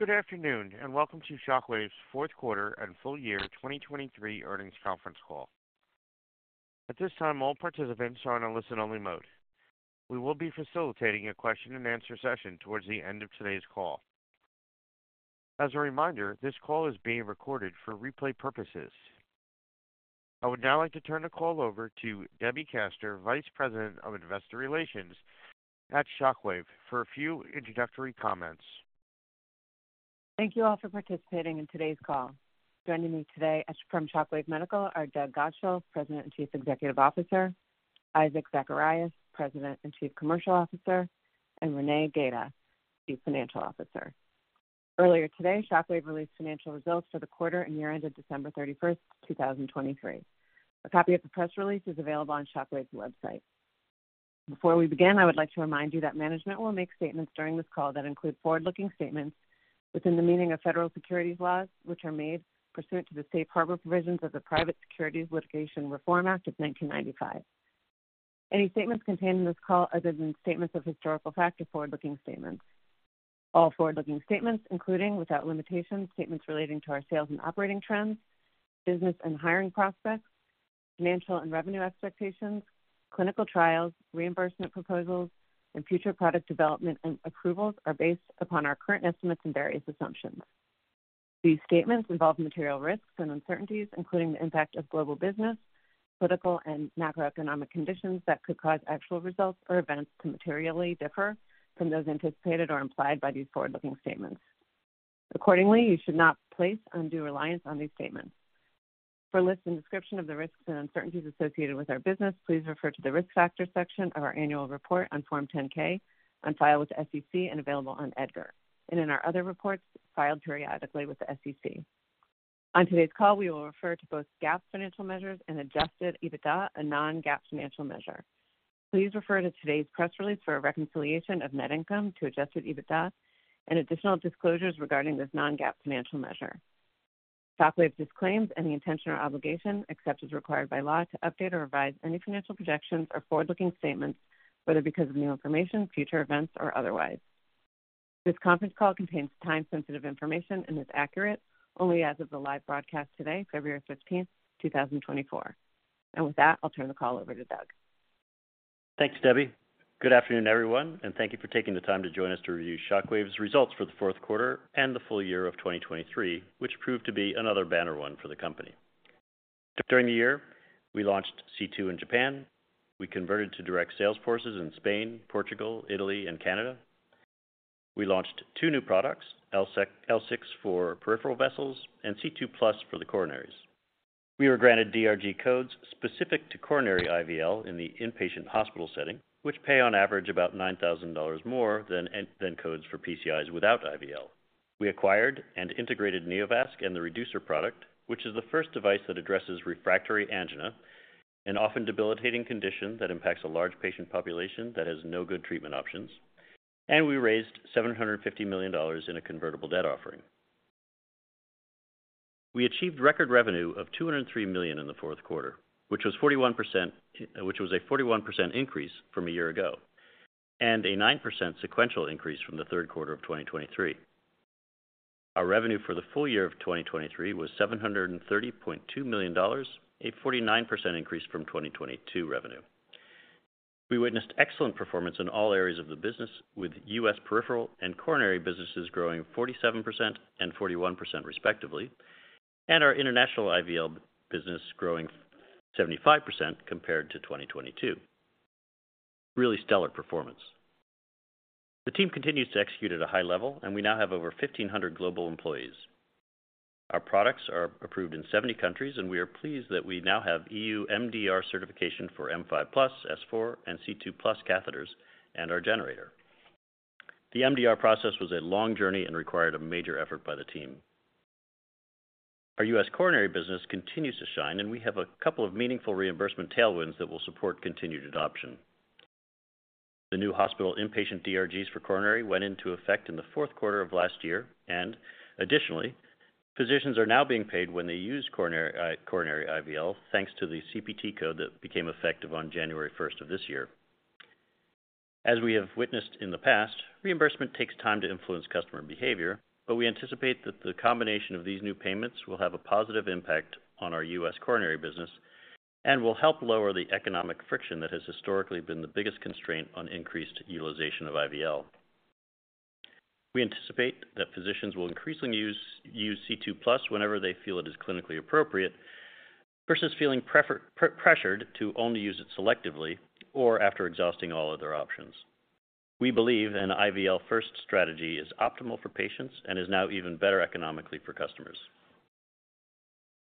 Good afternoon and welcome to Shockwave's fourth quarter and full year 2023 earnings conference call. At this time, all participants are in a listen-only mode. We will be facilitating a question-and-answer session towards the end of today's call. As a reminder, this call is being recorded for replay purposes. I would now like to turn the call over to Debbie Kaster, Vice President of Investor Relations at Shockwave, for a few introductory comments. Thank you all for participating in today's call. Joining me today from Shockwave Medical are Doug Godshall, President and Chief Executive Officer; Isaac Zacharias, President and Chief Commercial Officer; and Renee Gaeta, Chief Financial Officer. Earlier today, Shockwave released financial results for the quarter and year-end of December 31st, 2023. A copy of the press release is available on Shockwave's website. Before we begin, I would like to remind you that management will make statements during this call that include forward-looking statements within the meaning of federal securities laws, which are made pursuant to the Safe Harbor provisions of the Private Securities Litigation Reform Act of 1995. Any statements contained in this call, other than statements of historical fact, are forward-looking statements. All forward-looking statements, including, without limitation, statements relating to our sales and operating trends, business and hiring prospects, financial and revenue expectations, clinical trials, reimbursement proposals, and future product development and approvals are based upon our current estimates and various assumptions. These statements involve material risks and uncertainties, including the impact of global business, political, and macroeconomic conditions that could cause actual results or events to materially differ from those anticipated or implied by these forward-looking statements. Accordingly, you should not place undue reliance on these statements. For lists and description of the risks and uncertainties associated with our business, please refer to the risk factor section of our annual report on Form 10-K, on file with the SEC and available on EDGAR, and in our other reports filed periodically with the SEC. On today's call, we will refer to both GAAP financial measures and Adjusted EBITDA, a non-GAAP financial measure. Please refer to today's press release for a reconciliation of net income to Adjusted EBITDA and additional disclosures regarding this non-GAAP financial measure. Shockwave disclaims any intention or obligation, except as required by law, to update or revise any financial projections or forward-looking statements, whether because of new information, future events, or otherwise. This conference call contains time-sensitive information and is accurate only as of the live broadcast today, February 15th, 2024. And with that, I'll turn the call over to Doug. Thanks, Debbie. Good afternoon, everyone, and thank you for taking the time to join us to review Shockwave's results for the fourth quarter and the full year of 2023, which proved to be another banner one for the company. During the year, we launched C2 in Japan. We converted to direct sales forces in Spain, Portugal, Italy, and Canada. We launched two new products, L6 for peripheral vessels and C2+ for the coronaries. We were granted DRG codes specific to coronary IVL in the inpatient hospital setting, which pay on average about $9,000 more than codes for PCIs without IVL. We acquired and integrated Neovasc and the Reducer product, which is the first device that addresses refractory angina, an often debilitating condition that impacts a large patient population that has no good treatment options, and we raised $750 million in a convertible debt offering. We achieved record revenue of $203 million in the fourth quarter, which was a 41% increase from a year ago and a 9% sequential increase from the third quarter of 2023. Our revenue for the full year of 2023 was $730.2 million, a 49% increase from 2022 revenue. We witnessed excellent performance in all areas of the business, with U.S. peripheral and coronary businesses growing 47% and 41% respectively, and our international IVL business growing 75% compared to 2022. Really stellar performance. The team continues to execute at a high level, and we now have over 1,500 global employees. Our products are approved in 70 countries, and we are pleased that we now have EU MDR certification for M5+, S4, and C2+ catheters and our generator. The MDR process was a long journey and required a major effort by the team. Our U.S. Coronary business continues to shine, and we have a couple of meaningful reimbursement tailwinds that will support continued adoption. The new hospital inpatient DRGs for coronary went into effect in the fourth quarter of last year, and additionally, physicians are now being paid when they use coronary IVL, thanks to the CPT code that became effective on January 1st of this year. As we have witnessed in the past, reimbursement takes time to influence customer behavior, but we anticipate that the combination of these new payments will have a positive impact on our U.S. coronary business and will help lower the economic friction that has historically been the biggest constraint on increased utilization of IVL. We anticipate that physicians will increasingly use C2+ whenever they feel it is clinically appropriate versus feeling pressured to only use it selectively or after exhausting all other options. We believe an IVL-first strategy is optimal for patients and is now even better economically for customers.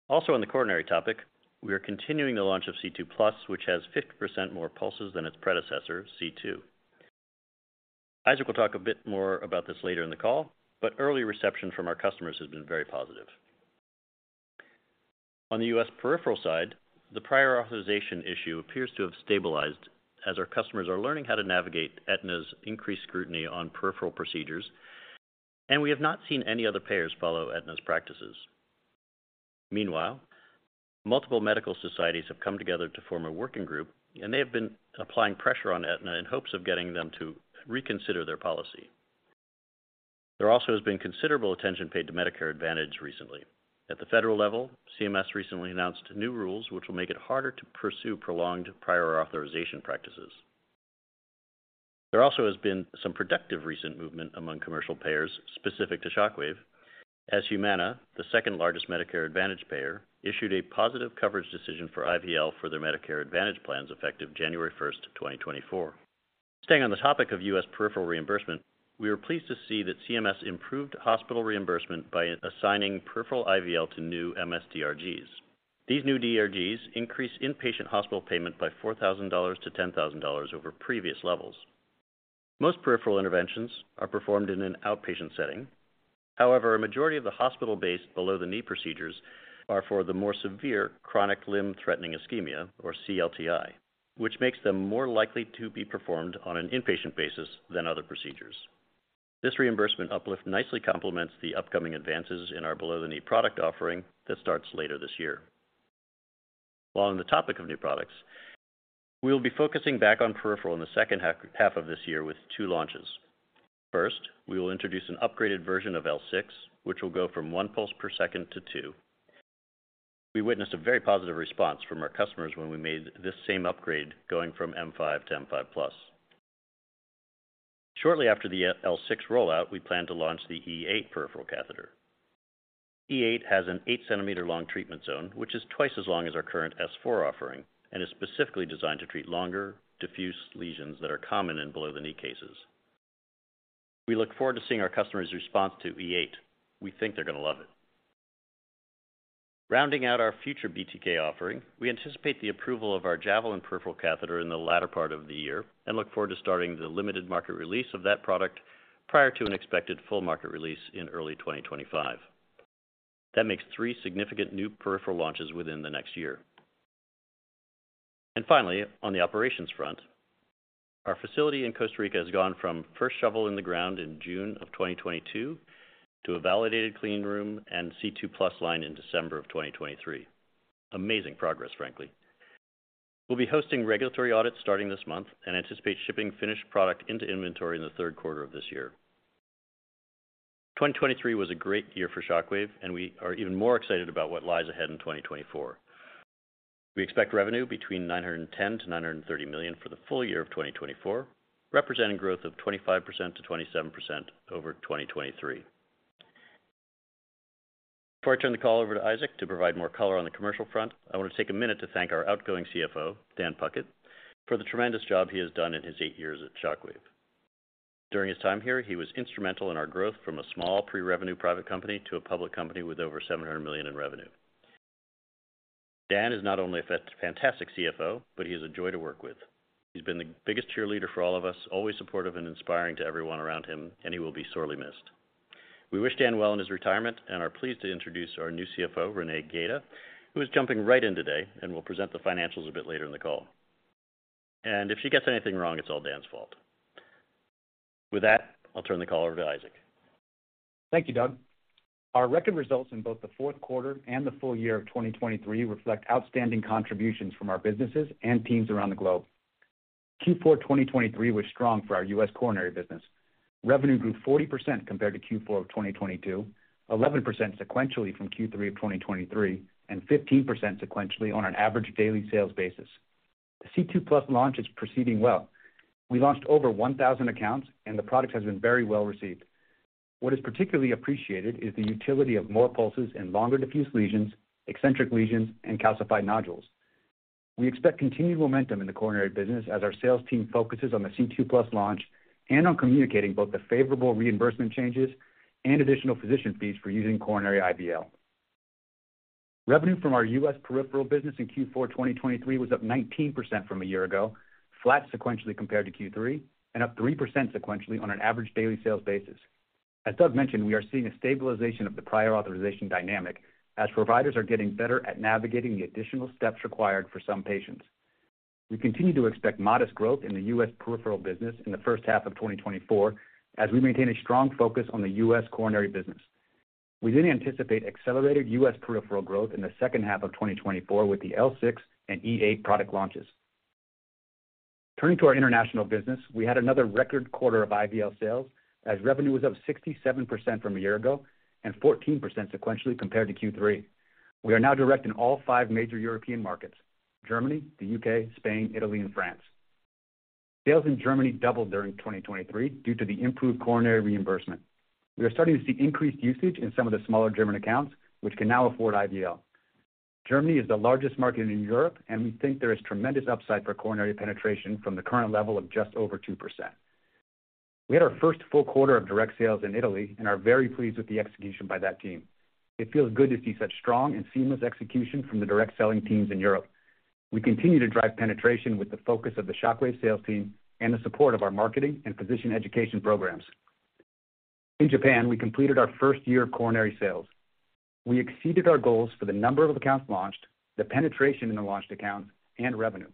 Also, on the coronary topic, we are continuing the launch of C2+, which has 50% more pulses than its predecessor, C2. Isaac will talk a bit more about this later in the call, but early reception from our customers has been very positive. On the U.S. peripheral side, the prior authorization issue appears to have stabilized as our customers are learning how to navigate Aetna's increased scrutiny on peripheral procedures, and we have not seen any other payers follow Aetna's practices. Meanwhile, multiple medical societies have come together to form a working group, and they have been applying pressure on Aetna in hopes of getting them to reconsider their policy. There also has been considerable attention paid to Medicare Advantage recently. At the federal level, CMS recently announced new rules which will make it harder to pursue prolonged prior authorization practices. There also has been some productive recent movement among commercial payers specific to Shockwave, as Humana, the second-largest Medicare Advantage payer, issued a positive coverage decision for IVL for their Medicare Advantage plans effective January 1st, 2024. Staying on the topic of U.S. peripheral reimbursement, we are pleased to see that CMS improved hospital reimbursement by assigning peripheral IVL to new MS-DRGs. These new DRGs increase inpatient hospital payment by $4,000-$10,000 over previous levels. Most peripheral interventions are performed in an outpatient setting. However, a majority of the hospital-based below-the-knee procedures are for the more severe chronic limb-threatening ischemia, or CLTI, which makes them more likely to be performed on an inpatient basis than other procedures. This reimbursement uplift nicely complements the upcoming advances in our below-the-knee product offering that starts later this year. While on the topic of new products, we will be focusing back on peripheral in the second half of this year with two launches. First, we will introduce an upgraded version of L6, which will go from 1 pulse per second to two. We witnessed a very positive response from our customers when we made this same upgrade going from M5 to M5+. Shortly after the L6 rollout, we plan to launch the E8 peripheral catheter. E8 has an 8-centimeter-long treatment zone, which is twice as long as our current S4 offering, and is specifically designed to treat longer, diffuse lesions that are common in below-the-knee cases. We look forward to seeing our customers' response to E8. We think they're going to love it. Rounding out our future BTK offering, we anticipate the approval of our Javelin peripheral catheter in the latter part of the year and look forward to starting the limited market release of that product prior to an expected full market release in early 2025. That makes three significant new peripheral launches within the next year. And finally, on the operations front, our facility in Costa Rica has gone from first shovel in the ground in June of 2022 to a validated clean room and C2+ line in December of 2023. Amazing progress, frankly. We'll be hosting regulatory audits starting this month and anticipate shipping finished product into inventory in the third quarter of this year. 2023 was a great year for Shockwave, and we are even more excited about what lies ahead in 2024. We expect revenue between $910 million-$930 million for the full year of 2024, representing growth of 25%-27% over 2023. Before I turn the call over to Isaac to provide more color on the commercial front, I want to take a minute to thank our outgoing CFO, Dan Puckett, for the tremendous job he has done in his eight years at Shockwave. During his time here, he was instrumental in our growth from a small pre-revenue private company to a public company with over $700 million in revenue. Dan is not only a fantastic CFO, but he is a joy to work with. He's been the biggest cheerleader for all of us, always supportive and inspiring to everyone around him, and he will be sorely missed. We wish Dan well in his retirement and are pleased to introduce our new CFO, Renee Gaeta, who is jumping right in today and will present the financials a bit later in the call. If she gets anything wrong, it's all Dan's fault. With that, I'll turn the call over to Isaac. Thank you, Doug. Our record results in both the fourth quarter and the full year of 2023 reflect outstanding contributions from our businesses and teams around the globe. Q4 2023 was strong for our U.S. coronary business. Revenue grew 40% compared to Q4 of 2022, 11% sequentially from Q3 of 2023, and 15% sequentially on an average daily sales basis. The C2+ launch is proceeding well. We launched over 1,000 accounts, and the product has been very well received. What is particularly appreciated is the utility of more pulses in longer diffuse lesions, eccentric lesions, and calcified nodules. We expect continued momentum in the coronary business as our sales team focuses on the C2+ launch and on communicating both the favorable reimbursement changes and additional physician fees for using coronary IVL. Revenue from our U.S. Peripheral business in Q4 2023 was up 19% from a year ago, flat sequentially compared to Q3, and up 3% sequentially on an average daily sales basis. As Doug mentioned, we are seeing a stabilization of the prior authorization dynamic as providers are getting better at navigating the additional steps required for some patients. We continue to expect modest growth in the U.S. peripheral business in the first half of 2024 as we maintain a strong focus on the U.S. coronary business. We then anticipate accelerated U.S. peripheral growth in the second half of 2024 with the L6 and E8 product launches. Turning to our international business, we had another record quarter of IVL sales as revenue was up 67% from a year ago and 14% sequentially compared to Q3. We are now direct in all five major European markets: Germany, the U.K., Spain, Italy, and France. Sales in Germany doubled during 2023 due to the improved coronary reimbursement. We are starting to see increased usage in some of the smaller German accounts, which can now afford IVL. Germany is the largest market in Europe, and we think there is tremendous upside for coronary penetration from the current level of just over 2%. We had our first full quarter of direct sales in Italy and are very pleased with the execution by that team. It feels good to see such strong and seamless execution from the direct selling teams in Europe. We continue to drive penetration with the focus of the Shockwave sales team and the support of our marketing and physician education programs. In Japan, we completed our first year of coronary sales. We exceeded our goals for the number of accounts launched, the penetration in the launched accounts, and revenue.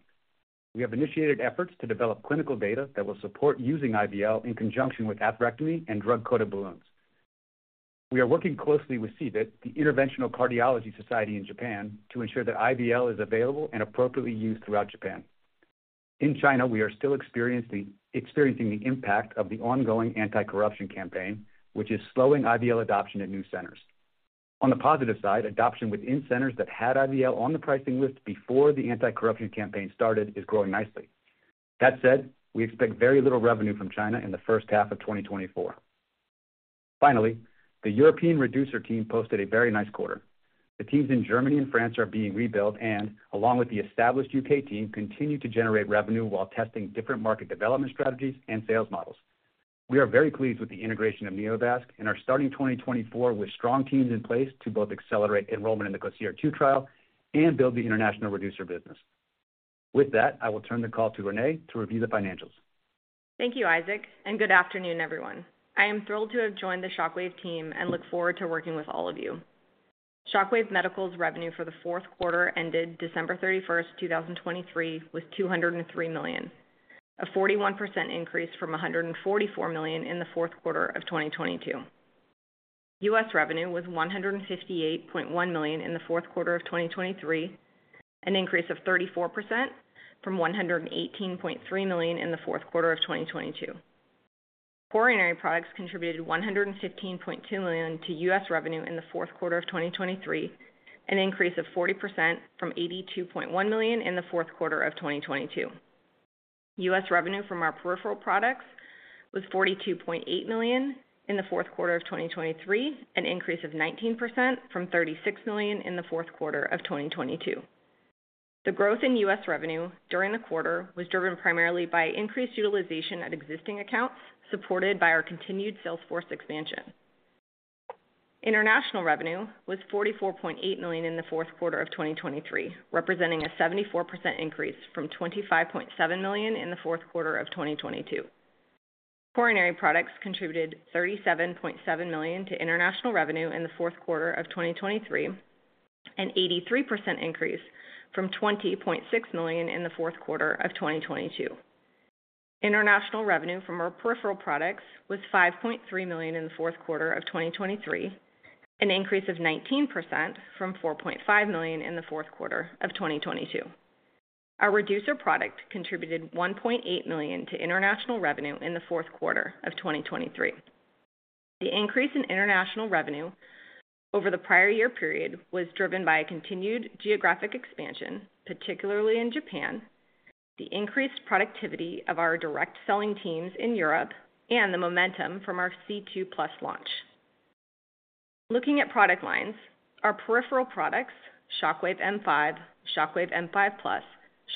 We have initiated efforts to develop clinical data that will support using IVL in conjunction with atherectomy and drug-coated balloons. We are working closely with CVIT, the Interventional Cardiology Society in Japan, to ensure that IVL is available and appropriately used throughout Japan. In China, we are still experiencing the impact of the ongoing anti-corruption campaign, which is slowing IVL adoption at new centers. On the positive side, adoption within centers that had IVL on the pricing list before the anti-corruption campaign started is growing nicely. That said, we expect very little revenue from China in the first half of 2024. Finally, the European Reducer team posted a very nice quarter. The teams in Germany and France are being rebuilt and, along with the established U.K. team, continue to generate revenue while testing different market development strategies and sales models. We are very pleased with the integration of Neovasc and are starting 2024 with strong teams in place to both accelerate enrollment in the COSIRA II trial and build the international Reducer business. With that, I will turn the call to Renee to review the financials. Thank you, Isaac, and good afternoon, everyone. I am thrilled to have joined the Shockwave team and look forward to working with all of you. Shockwave Medical's revenue for the fourth quarter ended December 31st, 2023, was $203 million, a 41% increase from $144 million in the fourth quarter of 2022. U.S. revenue was $158.1 million in the fourth quarter of 2023, an increase of 34% from $118.3 million in the fourth quarter of 2022. Coronary products contributed $115.2 million to U.S. revenue in the fourth quarter of 2023, an increase of 40% from $82.1 million in the fourth quarter of 2022. U.S. revenue from our peripheral products was $42.8 million in the fourth quarter of 2023, an increase of 19% from $36 million in the fourth quarter of 2022. The growth in U.S. Revenue during the quarter was driven primarily by increased utilization at existing accounts supported by our continued sales force expansion. International revenue was $44.8 million in the fourth quarter of 2023, representing a 74% increase from $25.7 million in the fourth quarter of 2022. Coronary products contributed $37.7 million to international revenue in the fourth quarter of 2023, an 83% increase from $20.6 million in the fourth quarter of 2022. International revenue from our peripheral products was $5.3 million in the fourth quarter of 2023, an increase of 19% from $4.5 million in the fourth quarter of 2022. Our Reducer product contributed $1.8 million to international revenue in the fourth quarter of 2023. The increase in international revenue over the prior year period was driven by continued geographic expansion, particularly in Japan, the increased productivity of our direct selling teams in Europe, and the momentum from our C2+ launch. Looking at product lines, our peripheral products, Shockwave M5, Shockwave M5+,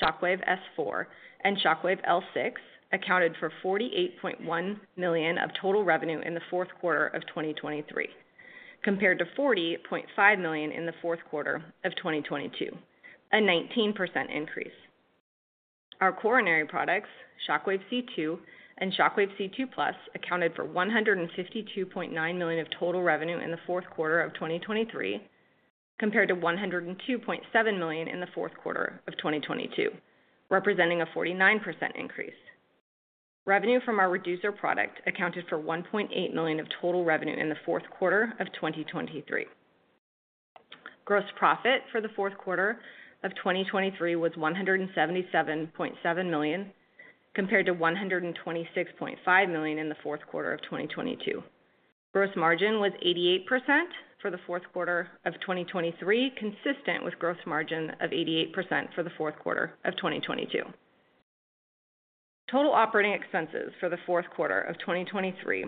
Shockwave S4, and Shockwave L6, accounted for $48.1 million of total revenue in the fourth quarter of 2023, compared to $40.5 million in the fourth quarter of 2022, a 19% increase. Our coronary products, Shockwave C2 and Shockwave C2+, accounted for $152.9 million of total revenue in the fourth quarter of 2023, compared to $102.7 million in the fourth quarter of 2022, representing a 49% increase. Revenue from our Reducer product accounted for $1.8 million of total revenue in the fourth quarter of 2023. Gross profit for the fourth quarter of 2023 was $177.7 million, compared to $126.5 million in the fourth quarter of 2022. Gross margin was 88% for the fourth quarter of 2023, consistent with gross margin of 88% for the fourth quarter of 2022. Total operating expenses for the fourth quarter of 2023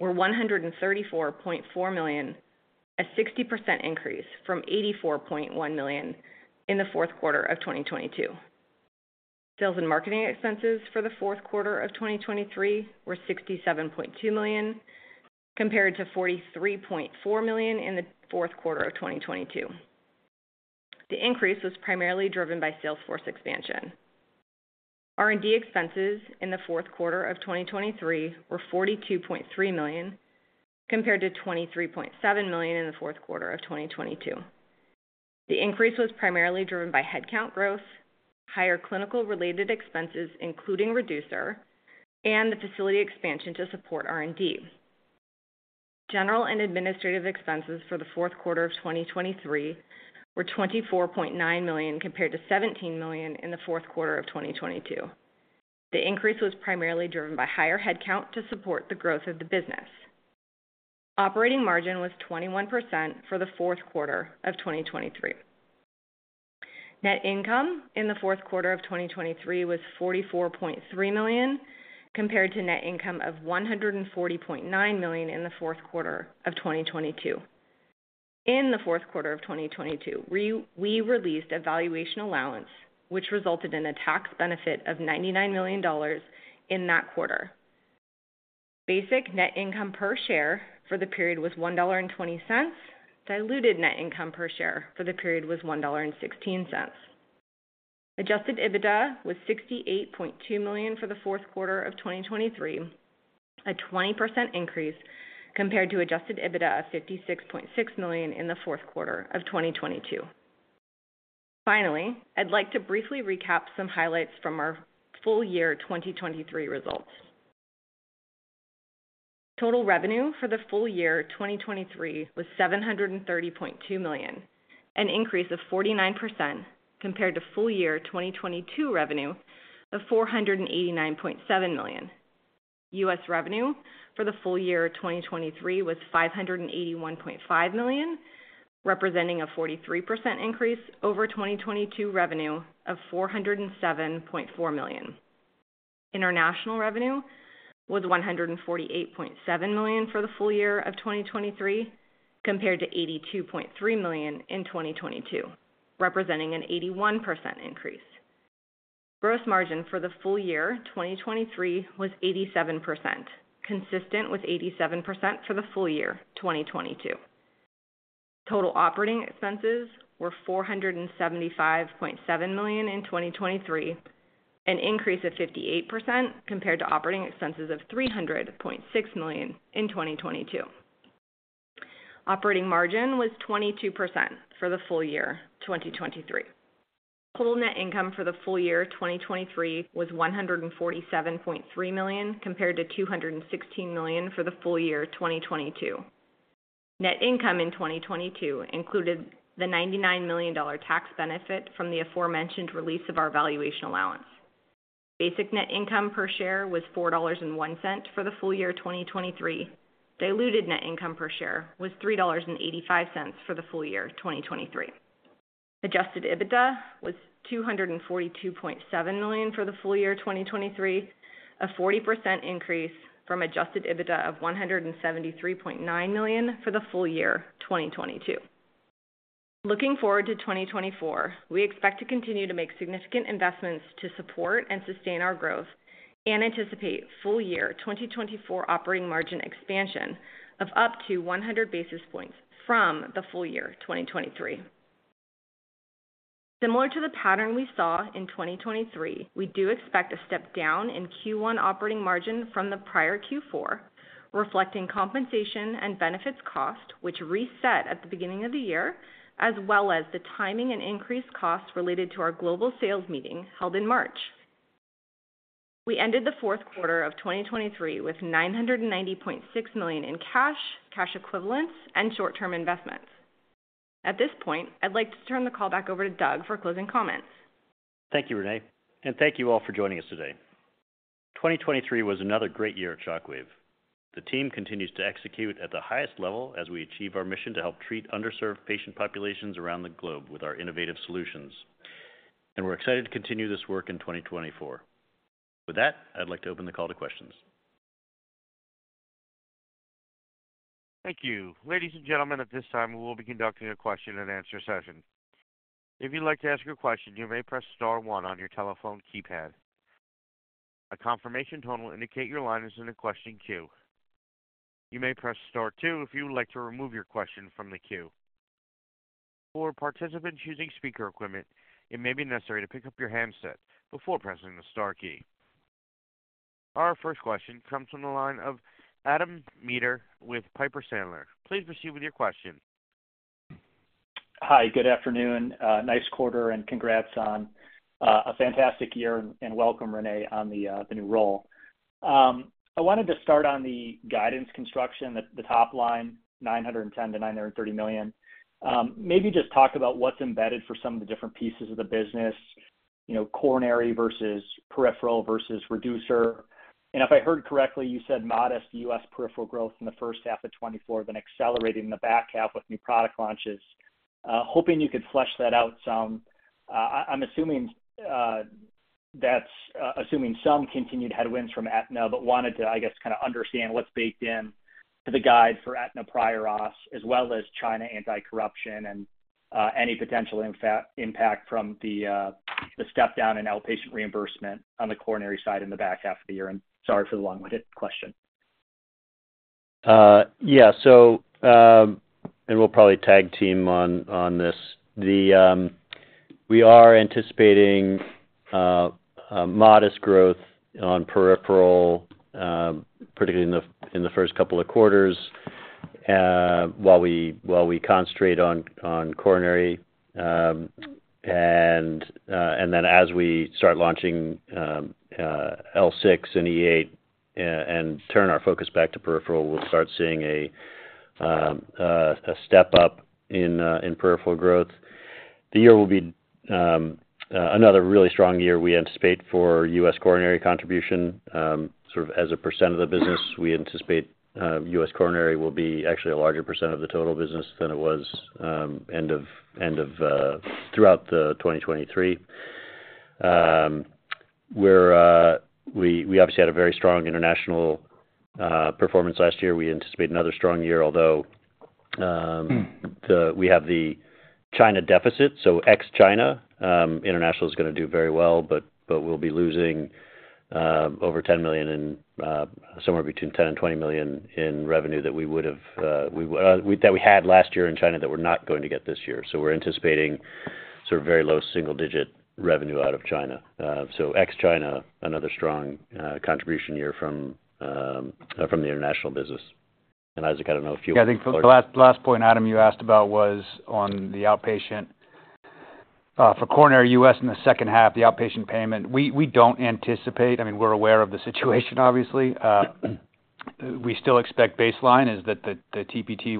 were $134.4 million, a 60% increase from $84.1 million in the fourth quarter of 2022. Sales and marketing expenses for the fourth quarter of 2023 were $67.2 million, compared to $43.4 million in the fourth quarter of 2022. The increase was primarily driven by sales force expansion. R&D expenses in the fourth quarter of 2023 were $42.3 million, compared to $23.7 million in the fourth quarter of 2022. The increase was primarily driven by headcount growth, higher clinical-related expenses including Reducer, and the facility expansion to support R&D. General and administrative expenses for the fourth quarter of 2023 were $24.9 million, compared to $17 million in the fourth quarter of 2022. The increase was primarily driven by higher headcount to support the growth of the business. Operating margin was 21% for the fourth quarter of 2023. Net income in the fourth quarter of 2023 was $44.3 million, compared to net income of $140.9 million in the fourth quarter of 2022. In the fourth quarter of 2022, we released a valuation allowance, which resulted in a tax benefit of $99 million in that quarter. Basic net income per share for the period was $1.20, diluted net income per share for the period was $1.16. Adjusted EBITDA was $68.2 million for the fourth quarter of 2023, a 20% increase compared to Adjusted EBITDA of $56.6 million in the fourth quarter of 2022. Finally, I'd like to briefly recap some highlights from our full year 2023 results. Total revenue for the full year 2023 was $730.2 million, an increase of 49% compared to full year 2022 revenue of $489.7 million. U.S. Revenue for the full year 2023 was $581.5 million, representing a 43% increase over 2022 revenue of $407.4 million. International revenue was $148.7 million for the full year of 2023, compared to $82.3 million in 2022, representing an 81% increase. Gross margin for the full year 2023 was 87%, consistent with 87% for the full year 2022. Total operating expenses were $475.7 million in 2023, an increase of 58% compared to operating expenses of $300.6 million in 2022. Operating margin was 22% for the full year 2023. Total net income for the full year 2023 was $147.3 million, compared to $216 million for the full year 2022. Net income in 2022 included the $99 million tax benefit from the aforementioned release of our valuation allowance. Basic net income per share was $4.01 for the full year 2023. Diluted net income per share was $3.85 for the full year 2023. Adjusted EBITDA was $242.7 million for the full year 2023, a 40% increase from Adjusted EBITDA of $173.9 million for the full year 2022. Looking forward to 2024, we expect to continue to make significant investments to support and sustain our growth and anticipate full year 2024 operating margin expansion of up to 100 basis points from the full year 2023. Similar to the pattern we saw in 2023, we do expect a step down in Q1 operating margin from the prior Q4, reflecting compensation and benefits cost, which reset at the beginning of the year, as well as the timing and increased costs related to our global sales meeting held in March. We ended the fourth quarter of 2023 with $990.6 million in cash, cash equivalents, and short-term investments. At this point, I'd like to turn the call back over to Doug for closing comments. Thank you, Renee, and thank you all for joining us today. 2023 was another great year at Shockwave. The team continues to execute at the highest level as we achieve our mission to help treat underserved patient populations around the globe with our innovative solutions, and we're excited to continue this work in 2024. With that, I'd like to open the call to questions. Thank you. Ladies and gentlemen, at this time, we will be conducting a question-and-answer session. If you'd like to ask your question, you may press star one on your telephone keypad. A confirmation tone will indicate your line is in the question queue. You may press star two if you would like to remove your question from the queue. For participants using speaker equipment, it may be necessary to pick up your handset before pressing the star key. Our first question comes from the line of Adam Maeder with Piper Sandler. Please proceed with your question. Hi. Good afternoon. Nice quarter and congrats on a fantastic year and welcome, Renee, on the new role. I wanted to start on the guidance construction, the top line, $910 million-$930 million. Maybe just talk about what's embedded for some of the different pieces of the business, coronary versus peripheral versus Reducer. And if I heard correctly, you said modest U.S. peripheral growth in the first half of 2024, then accelerating in the back half with new product launches. Hoping you could flesh that out some. I'm assuming some continued headwinds from Aetna, but wanted to, I guess, kind of understand what's baked into the guide for Aetna prior auths, as well as China anti-corruption and any potential impact from the stepdown in outpatient reimbursement on the coronary side in the back half of the year. And sorry for the long-winded question. Yeah. And we'll probably tag team on this. We are anticipating modest growth on peripheral, particularly in the first couple of quarters, while we concentrate on coronary. And then as we start launching L6 and E8 and turn our focus back to peripheral, we'll start seeing a step up in peripheral growth. The year will be another really strong year. We anticipate for U.S. coronary contribution, sort of as a percent of the business, we anticipate U.S. coronary will be actually a larger percent of the total business than it was throughout 2023. We obviously had a very strong international performance last year. We anticipate another strong year, although we have the China deficit. So ex-China, international is going to do very well, but we'll be losing over $10 million and somewhere between $10 million-$20 million in revenue that we would have that we had last year in China that we're not going to get this year. So we're anticipating sort of very low single-digit revenue out of China. So ex-China, another strong contribution year from the international business. And Isaac, I don't know if you want to follow up. Yeah. I think the last point, Adam, you asked about was on the outpatient for coronary U.S. in the second half, the outpatient payment. We don't anticipate—I mean, we're aware of the situation, obviously. We still expect baseline is that the TPT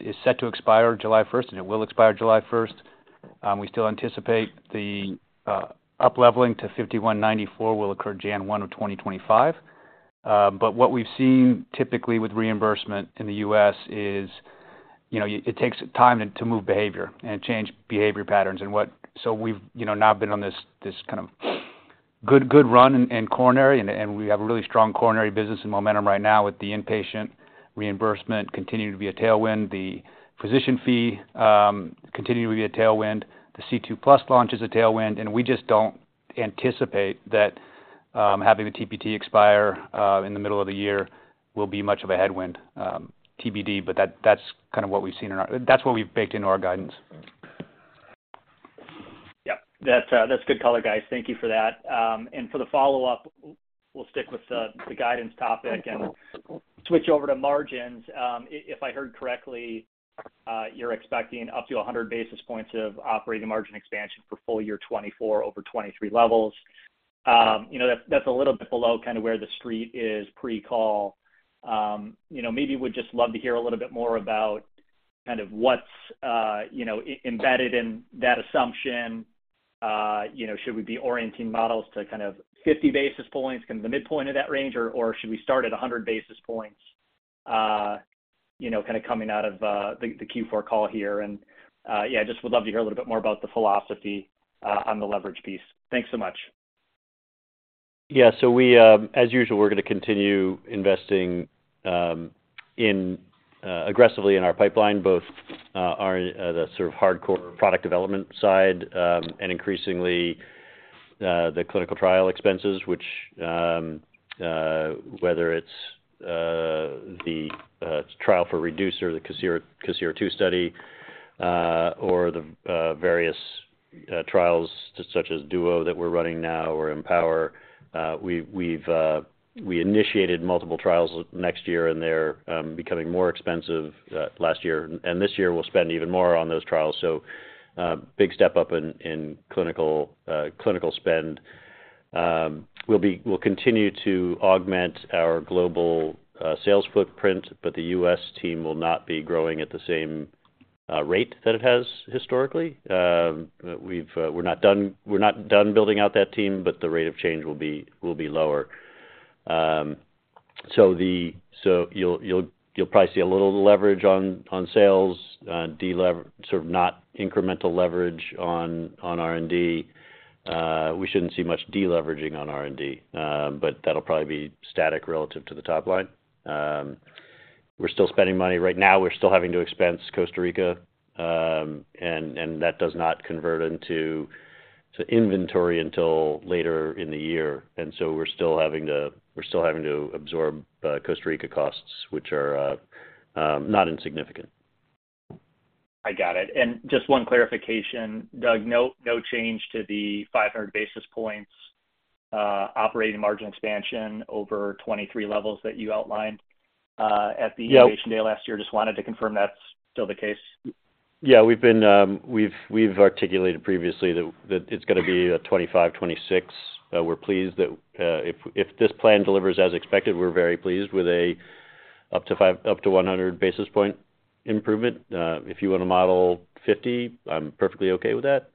is set to expire July 1st, and it will expire July 1st. We still anticipate the upleveling to 5194 will occur January 1, 2025. But what we've seen typically with reimbursement in the U.S. is it takes time to move behavior and change behavior patterns. And so we've now been on this kind of good run in coronary, and we have a really strong coronary business and momentum right now with the inpatient reimbursement continuing to be a tailwind, the physician fee continuing to be a tailwind, the C2+ launch is a tailwind. We just don't anticipate that having the TPT expire in the middle of the year will be much of a headwind. TBD, but that's kind of what we've baked into our guidance. Yep. That's good color, guys. Thank you for that. For the follow-up, we'll stick with the guidance topic and switch over to margins. If I heard correctly, you're expecting up to 100 basis points of operating margin expansion for full year 2024 over 2023 levels. That's a little bit below kind of where the street is pre-call. Maybe we'd just love to hear a little bit more about kind of what's embedded in that assumption. Should we be orienting models to kind of 50 basis points, kind of the midpoint of that range, or should we start at 100 basis points kind of coming out of the Q4 call here? Yeah, just would love to hear a little bit more about the philosophy on the leverage piece. Thanks so much. Yeah. So as usual, we're going to continue investing aggressively in our pipeline, both the sort of hardcore product development side and increasingly the clinical trial expenses, whether it's the trial for Reducer, the COSIRA II study, or the various trials such as Duo that we're running now or Empower. We initiated multiple trials next year, and they're becoming more expensive last year. And this year, we'll spend even more on those trials. So big step up in clinical spend. We'll continue to augment our global sales footprint, but the U.S. team will not be growing at the same rate that it has historically. We're not done building out that team, but the rate of change will be lower. So you'll probably see a little leverage on sales, sort of not incremental leverage on R&D. We shouldn't see much deleveraging on R&D, but that'll probably be static relative to the top line. We're still spending money. Right now, we're still having to expense Costa Rica, and that does not convert into inventory until later in the year. So we're still having to absorb Costa Rica costs, which are not insignificant. I got it. Just one clarification, Doug. No change to the 500 basis points operating margin expansion over 2023 levels that you outlined at the Innovation Day last year. Just wanted to confirm that's still the case. Yeah. We've articulated previously that it's going to be a 25, 26. We're pleased that if this plan delivers as expected, we're very pleased with an up to 100 basis point improvement. If you want to model 50, I'm perfectly okay with that.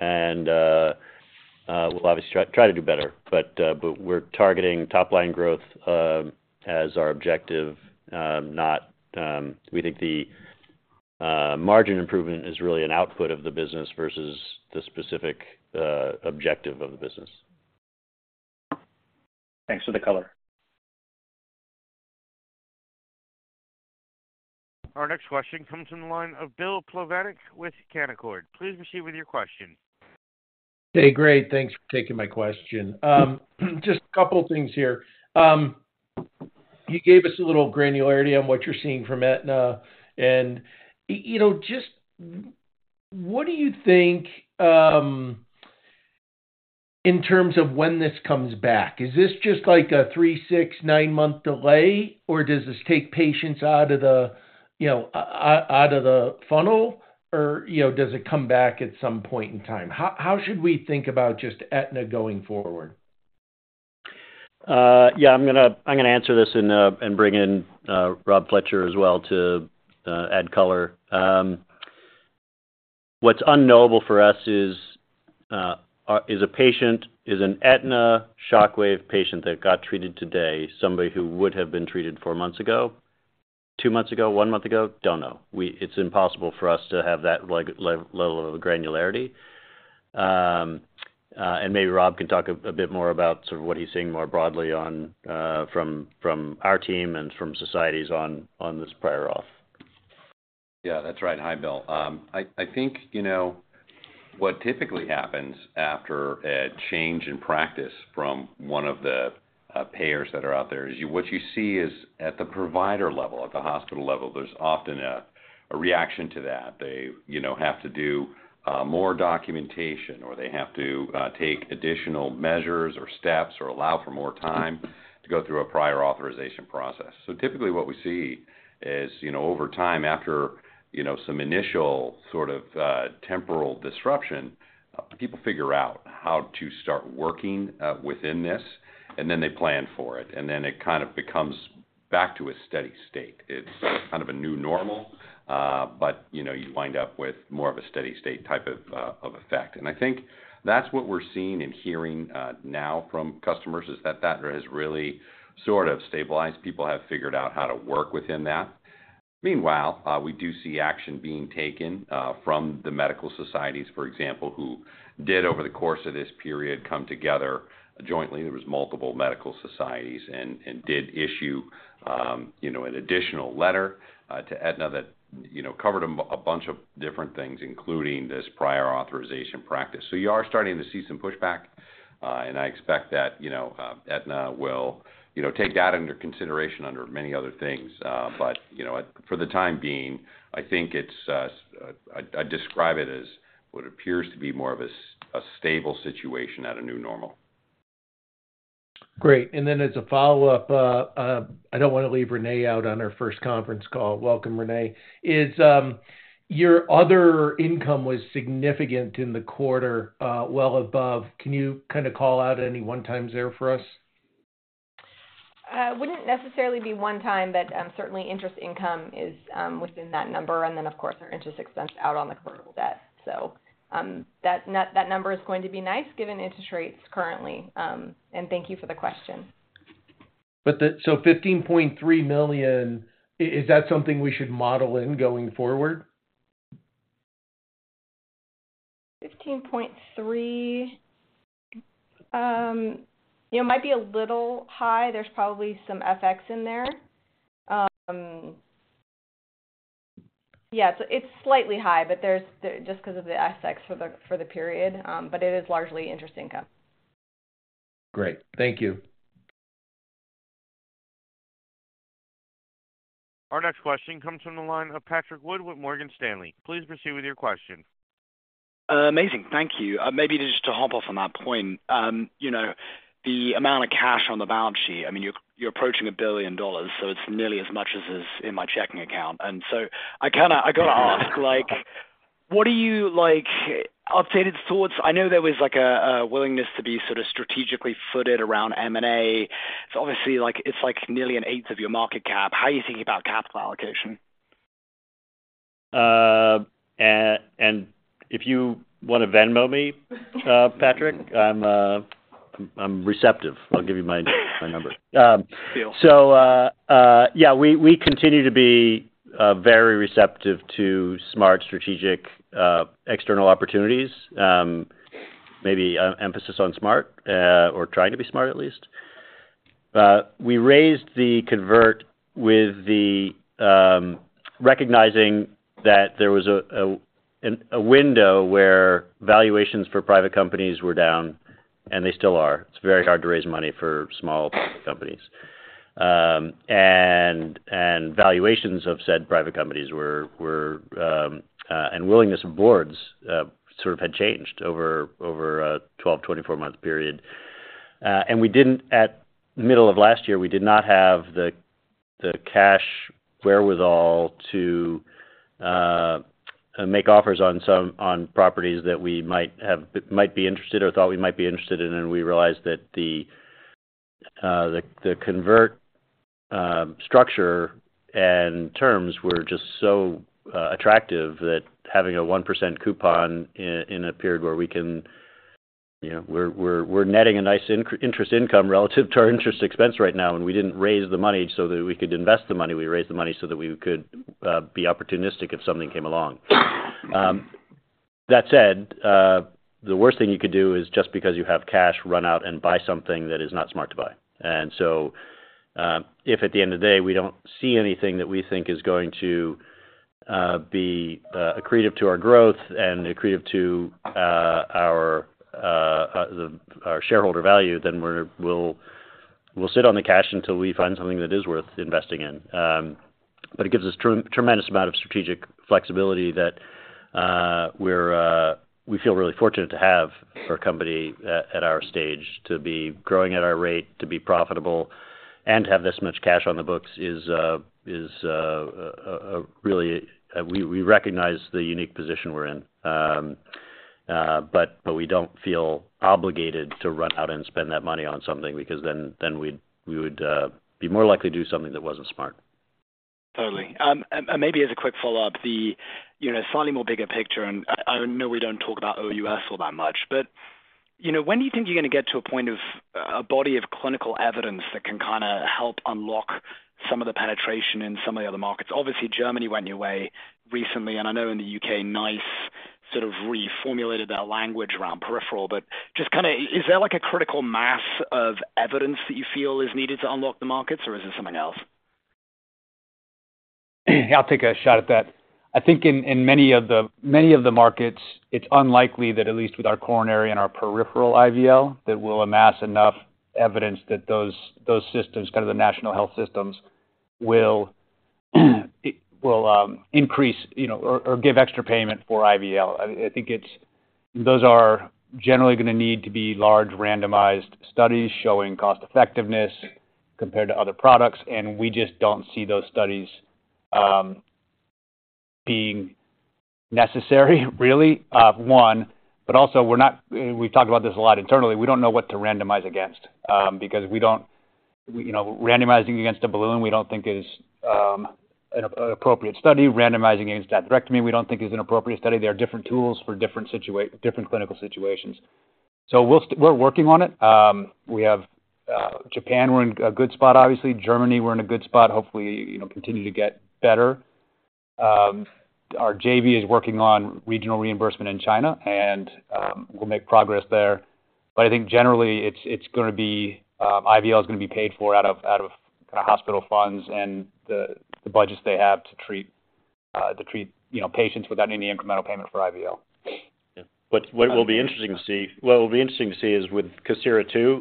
And we'll obviously try to do better, but we're targeting top line growth as our objective. We think the margin improvement is really an output of the business versus the specific objective of the business. Thanks for the color. Our next question comes from the line of Bill Plovanic with Canaccord. Please proceed with your question. Hey, great. Thanks for taking my question. Just a couple of things here. You gave us a little granularity on what you're seeing from Aetna. Just what do you think in terms of when this comes back? Is this just like a three, six, nine-month delay, or does this take patients out of the funnel, or does it come back at some point in time? How should we think about just Aetna going forward? Yeah. I'm going to answer this and bring in Rob Fletcher as well to add color. What's unknowable for us is a patient is an Aetna Shockwave patient that got treated today, somebody who would have been treated four months ago, two months ago, one month ago. Don't know. It's impossible for us to have that level of granularity. And maybe Rob can talk a bit more about sort of what he's seeing more broadly from our team and from societies on this prior auth. Yeah. That's right. Hi, Bill. I think what typically happens after a change in practice from one of the payers that are out there is what you see is at the provider level, at the hospital level, there's often a reaction to that. They have to do more documentation, or they have to take additional measures or steps or allow for more time to go through a prior authorization process. So typically, what we see is over time, after some initial sort of temporal disruption, people figure out how to start working within this, and then they plan for it. And then it kind of becomes back to a steady state. It's kind of a new normal, but you wind up with more of a steady state type of effect. And I think that's what we're seeing and hearing now from customers, is that that has really sort of stabilized. People have figured out how to work within that. Meanwhile, we do see action being taken from the medical societies, for example, who did, over the course of this period, come together jointly. There was multiple medical societies and did issue an additional letter to Aetna that covered a bunch of different things, including this prior authorization practice. So you are starting to see some pushback, and I expect that Aetna will take that under consideration under many other things. But for the time being, I think I describe it as what appears to be more of a stable situation at a new normal. Great. And then as a follow-up, I don't want to leave Renee out on her first conference call. Welcome, Renee. Your other income was significant in the quarter, well above. Can you kind of call out any one-times there for us? Wouldn't necessarily be one time, but certainly interest income is within that number. And then, of course, our interest expense out on the convertible debt. So that number is going to be nice given interest rates currently. And thank you for the question. So $15.3 million, is that something we should model in going forward? 15.3 might be a little high. There's probably some FX in there. Yeah. It's slightly high, but just because of the FX for the period. But it is largely interest income. Great. Thank you. Our next question comes from the line of Patrick Wood with Morgan Stanley. Please proceed with your question. Amazing. Thank you. Maybe just to hop off on that point, the amount of cash on the balance sheet, I mean, you're approaching $1 billion, so it's nearly as much as in my checking account. And so I got to ask, what are your updated thoughts? I know there was a willingness to be sort of strategically footloose around M&A. So obviously, it's nearly an eighth of your market cap. How are you thinking about capital allocation? If you want to Venmo me, Patrick, I'm receptive. I'll give you my number. So yeah, we continue to be very receptive to smart, strategic external opportunities, maybe emphasis on smart or trying to be smart, at least. We raised the convert with recognizing that there was a window where valuations for private companies were down, and they still are. It's very hard to raise money for small companies. Valuations of said private companies were and willingness of boards sort of had changed over a 12, 24-month period. At the middle of last year, we did not have the cash wherewithal to make offers on properties that we might be interested or thought we might be interested in. And we realized that the convert structure and terms were just so attractive that having a 1% coupon in a period where we can, we're netting a nice interest income relative to our interest expense right now. And we didn't raise the money so that we could invest the money. We raised the money so that we could be opportunistic if something came along. That said, the worst thing you could do is just because you have cash, run out and buy something that is not smart to buy. And so if at the end of the day, we don't see anything that we think is going to be accretive to our growth and accretive to our shareholder value, then we'll sit on the cash until we find something that is worth investing in. But it gives us a tremendous amount of strategic flexibility that we feel really fortunate to have, for a company at our stage, to be growing at our rate, to be profitable, and to have this much cash on the books is really we recognize the unique position we're in. But we don't feel obligated to run out and spend that money on something because then we would be more likely to do something that wasn't smart. Totally. Maybe as a quick follow-up, the slightly more bigger picture and I know we don't talk about OUS all that much, but when do you think you're going to get to a point of a body of clinical evidence that can kind of help unlock some of the penetration in some of the other markets? Obviously, Germany went your way recently, and I know in the U.K., NICE sort of reformulated their language around peripheral. Just kind of is there a critical mass of evidence that you feel is needed to unlock the markets, or is it something else? Yeah. I'll take a shot at that. I think in many of the markets, it's unlikely that, at least with our coronary and our peripheral IVL, that we'll amass enough evidence that those systems, kind of the national health systems, will increase or give extra payment for IVL. I think those are generally going to need to be large, randomized studies showing cost-effectiveness compared to other products. We just don't see those studies being necessary, really, one. But also, we've talked about this a lot internally. We don't know what to randomize against because we don't randomizing against a balloon, we don't think is an appropriate study. Randomizing against atherectomy, we don't think is an appropriate study. There are different tools for different clinical situations. So we're working on it. Japan, we're in a good spot, obviously. Germany, we're in a good spot. Hopefully, continue to get better. Our JV is working on regional reimbursement in China, and we'll make progress there. But I think generally, it's going to be IVL is going to be paid for out of kind of hospital funds and the budgets they have to treat patients without any incremental payment for IVL. Yeah. What will be interesting to see is with COSIRA II,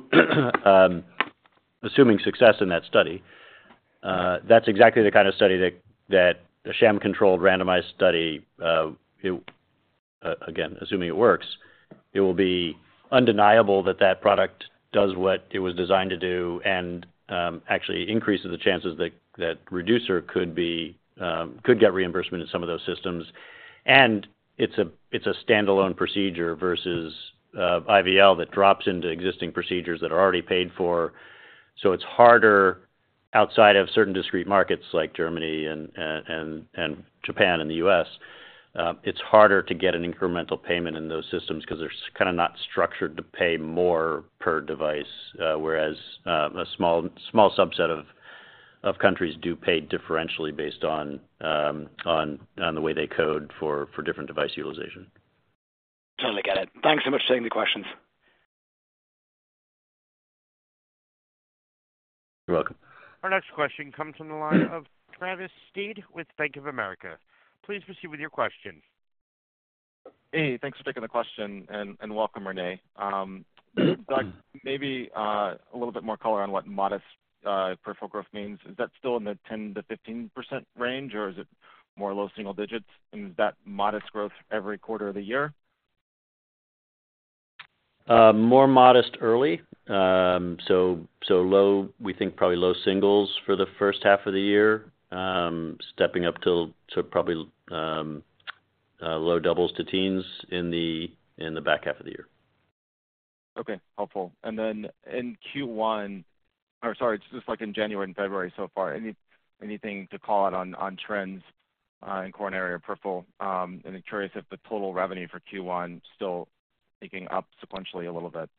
assuming success in that study, that's exactly the kind of study that the sham-controlled, randomized study again, assuming it works, it will be undeniable that that product does what it was designed to do and actually increases the chances that Reducer could get reimbursement in some of those systems. And it's a standalone procedure versus IVL that drops into existing procedures that are already paid for. So it's harder outside of certain discrete markets like Germany and Japan and the U.S. It's harder to get an incremental payment in those systems because they're kind of not structured to pay more per device, whereas a small subset of countries do pay differentially based on the way they code for different device utilization. Totally get it. Thanks so much for taking the questions. You're welcome. Our next question comes from the line of Travis Steed with Bank of America. Please proceed with your question. Hey. Thanks for taking the question, and welcome, Renee. Doug, maybe a little bit more color on what modest peripheral growth means. Is that still in the 10%-15% range, or is it more low single digits? And is that modest growth every quarter of the year? More modest early. So we think probably low singles for the first half of the year, stepping up to probably low doubles to teens in the back half of the year. Okay. Helpful. And then in Q1 or sorry, it's just in January and February so far. Anything to call out on trends in coronary or peripheral? And I'm curious if the total revenue for Q1 is still picking up sequentially a little bit?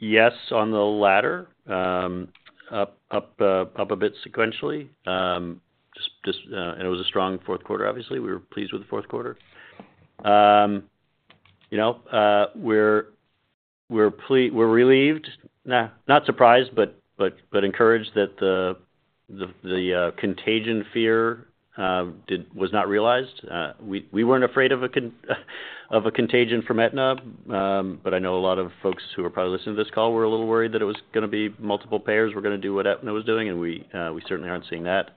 Yes, on the latter, up a bit sequentially. It was a strong fourth quarter, obviously. We were pleased with the fourth quarter. We're relieved, not surprised, but encouraged that the contagion fear was not realized. We weren't afraid of a contagion from Aetna, but I know a lot of folks who are probably listening to this call were a little worried that it was going to be multiple payers we're going to do what Aetna was doing, and we certainly aren't seeing that.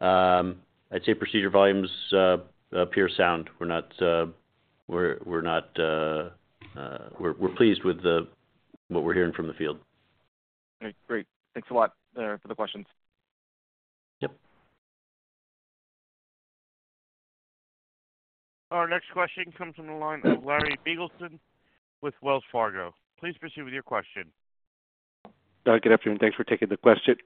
I'd say procedure volumes appear sound. We're pleased with what we're hearing from the field. Okay. Great. Thanks a lot for the questions. Yep. Our next question comes from the line of Larry Biegelsen with Wells Fargo. Please proceed with your question. Good afternoon. Thanks for taking the question.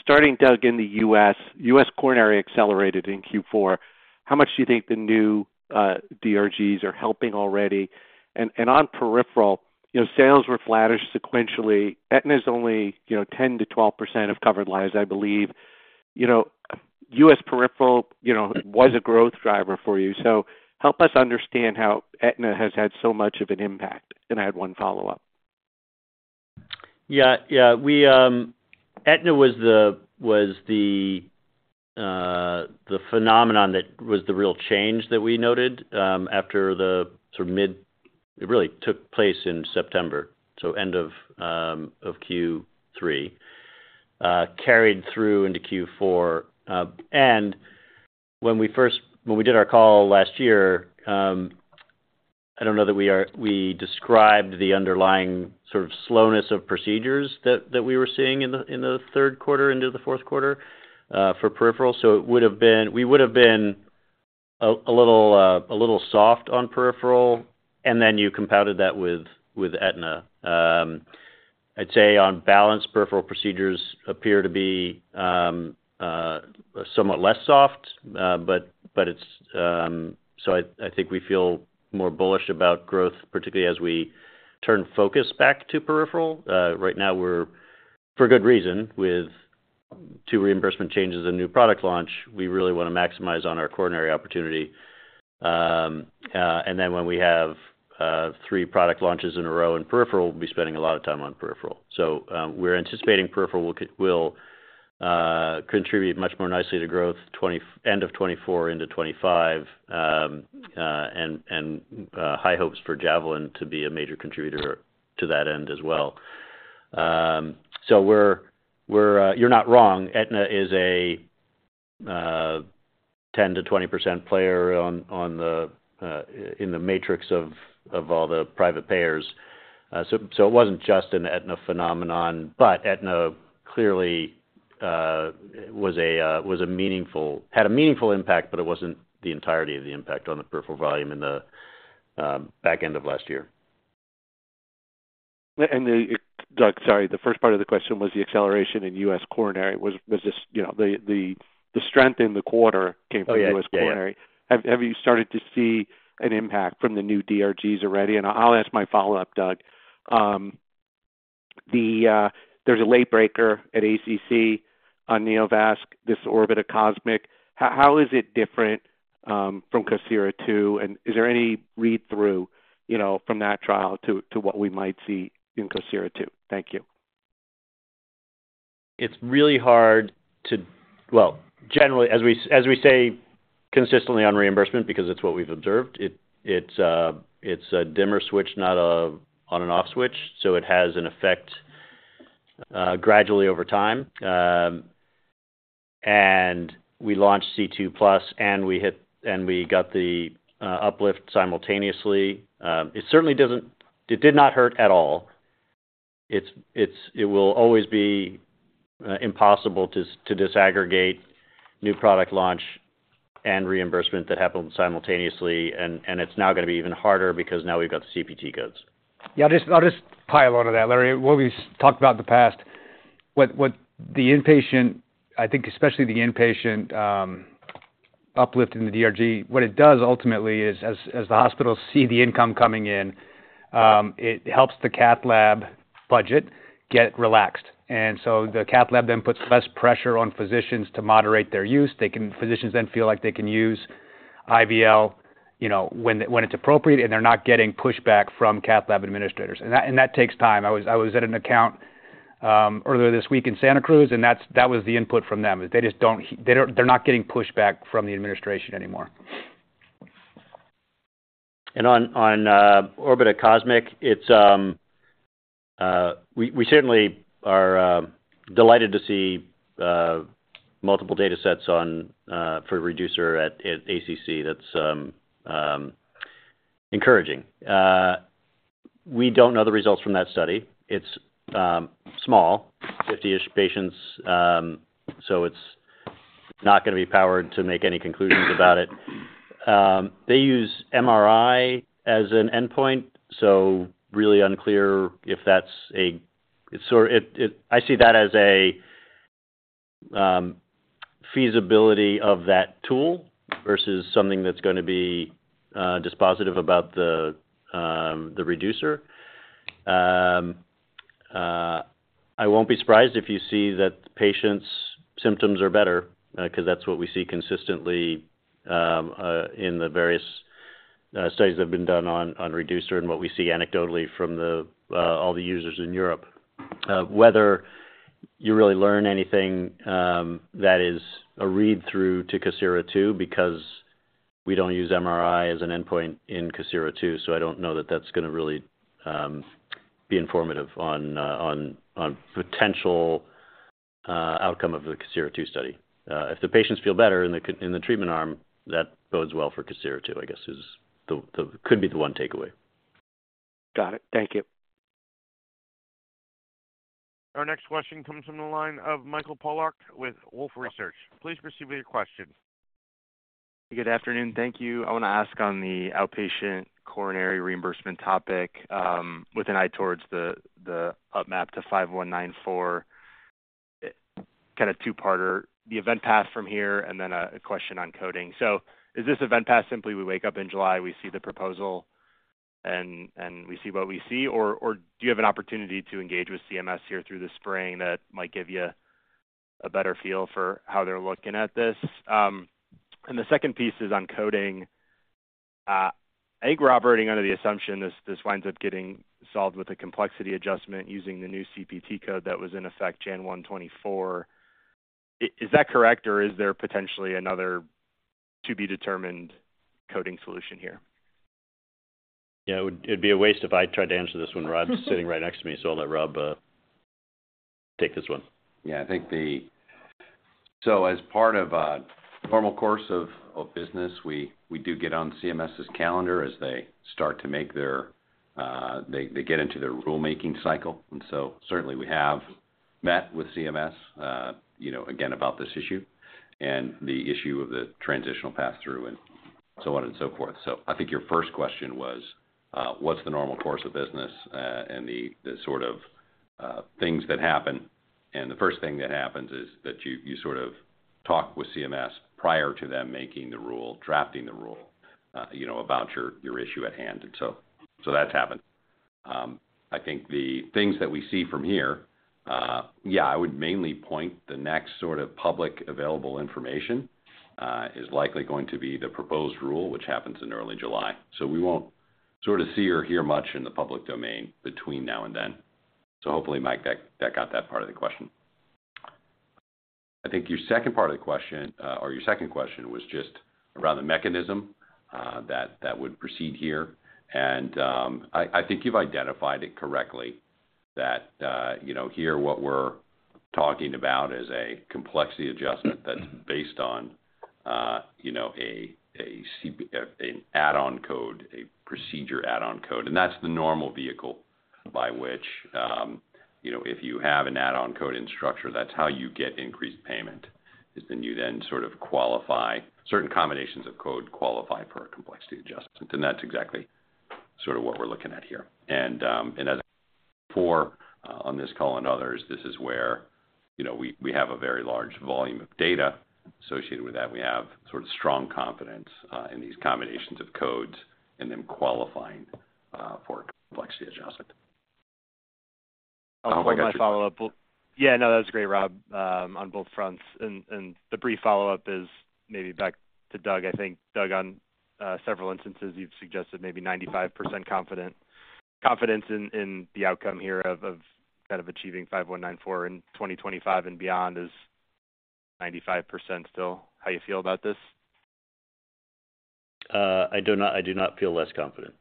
Starting, Doug, in the U.S., U.S. coronary accelerated in Q4. How much do you think the new DRGs are helping already? And on peripheral, sales were flattish sequentially. Aetna is only 10%-12% of covered lives, I believe. U.S. peripheral was a growth driver for you. So help us understand how Aetna has had so much of an impact. I had one follow-up. Yeah. Yeah. Aetna was the phenomenon that was the real change that we noted after the sort of mid it really took place in September, so end of Q3, carried through into Q4. And when we first did our call last year, I don't know that we described the underlying sort of slowness of procedures that we were seeing in the third quarter into the fourth quarter for peripheral. So it would have been a little soft on peripheral, and then you compounded that with Aetna. I'd say on balance, peripheral procedures appear to be somewhat less soft. So I think we feel more bullish about growth, particularly as we turn focus back to peripheral. Right now, we're for good reason with two reimbursement changes and new product launch. We really want to maximize on our coronary opportunity. And then when we have three product launches in a row in peripheral, we'll be spending a lot of time on peripheral. So we're anticipating peripheral will contribute much more nicely to growth end of 2024 into 2025, and high hopes for Javelin to be a major contributor to that end as well. So you're not wrong. Aetna is a 10%-20% player in the matrix of all the private payers. So it wasn't just an Aetna phenomenon, but Aetna clearly was a meaningful had a meaningful impact, but it wasn't the entirety of the impact on the peripheral volume in the back end of last year. Doug, sorry, the first part of the question was the acceleration in U.S. coronary. Was this the strength in the quarter came from U.S. coronary? Have you started to see an impact from the new DRGs already? And I'll ask my follow-up, Doug. There's a late breaker at ACC on Neovasc, this ORBITA-COSMIC. How is it different from COSIRA II? And is there any read-through from that trial to what we might see in COSIRA II? Thank you. It's really hard to, well, generally, as we say consistently on reimbursement because it's what we've observed, it's a dimmer switch, not an on-and-off switch. So it has an effect gradually over time. And we launched C2+, and we got the uplift simultaneously. It certainly doesn't, it did not hurt at all. It will always be impossible to disaggregate new product launch and reimbursement that happened simultaneously. And it's now going to be even harder because now we've got the CPT codes. Yeah. I'll just pile onto that, Larry. What we've talked about in the past, what the inpatient I think especially the inpatient uplift in the DRG, what it does ultimately is, as the hospitals see the income coming in, it helps the cath lab budget get relaxed. And so the cath lab then puts less pressure on physicians to moderate their use. Physicians then feel like they can use IVL when it's appropriate, and they're not cath lab Administrators. and that takes time. I was at an account earlier this week in Santa Cruz, and that was the input from them, is they just don't, they're not getting pushback from the administration anymore. On ORBITA-COSMIC, we certainly are delighted to see multiple datasets for Reducer at ACC. That's encouraging. We don't know the results from that study. It's small, 50-ish patients, so it's not going to be powered to make any conclusions about it. They use MRI as an endpoint, so really unclear if that's a. I see that as a feasibility of that tool versus something that's going to be dispositive about the Reducer. I won't be surprised if you see that patients' symptoms are better because that's what we see consistently in the various studies that have been done on Reducer and what we see anecdotally from all the users in Europe. Whether you really learn anything, that is a read-through to COSIRA II because we don't use MRI as an endpoint in COSIRA II, so I don't know that that's going to really be informative on potential outcome of the COSIRA II study. If the patients feel better in the treatment arm, that bodes well for COSIRA II, I guess, could be the one takeaway. Got it. Thank you. Our next question comes from the line of Mike Polark with Wolfe Research. Please proceed with your question. Good afternoon. Thank you. I want to ask on the outpatient coronary reimbursement topic with an eye towards the upmap to 5194, kind of two-parter, the event path from here, and then a question on coding. So is this event path simply we wake up in July, we see the proposal, and we see what we see, or do you have an opportunity to engage with CMS here through the spring that might give you a better feel for how they're looking at this? And the second piece is on coding. I think we're operating under the assumption this winds up getting solved with a complexity adjustment using the new CPT code that was in effect January 1, 2024. Is that correct, or is there potentially another to-be-determined coding solution here? Yeah. It would be a waste if I tried to answer this when Rob's sitting right next to me, so I'll let Rob take this one. Yeah. I think so as part of a normal course of business, we do get on CMS's calendar as they start to get into their rulemaking cycle. And so certainly, we have met with CMS, again, about this issue and the issue of the transitional pass-through and so on and so forth. So I think your first question was, what's the normal course of business and the sort of things that happen? And the first thing that happens is that you sort of talk with CMS prior to them making the rule, drafting the rule about your issue at hand. And so that's happened. I think the things that we see from here, yeah, I would mainly point the next sort of public available information is likely going to be the proposed rule, which happens in early July. So we won't sort of see or hear much in the public domain between now and then. So hopefully, Mike, that got that part of the question. I think your second part of the question or your second question was just around the mechanism that would proceed here. And I think you've identified it correctly that here, what we're talking about is a complexity adjustment that's based on an add-on code, a procedure add-on code. And that's the normal vehicle by which if you have an add-on code in structure, that's how you get increased payment, is that you then sort of qualify certain combinations of codes qualify for a complexity adjustment. And that's exactly sort of what we're looking at here. And as I said before, on this call and others, this is where we have a very large volume of data. Associated with that, we have sort of strong confidence in these combinations of codes and them qualifying for a complexity adjustment. I'll go with my follow-up. Yeah. No, that was great, Rob, on both fronts. And the brief follow-up is maybe back to Doug, I think. Doug, on several instances, you've suggested maybe 95% confidence in the outcome here of kind of achieving 5194 in 2025 and beyond. Is 95% still how you feel about this? I do not feel less confident.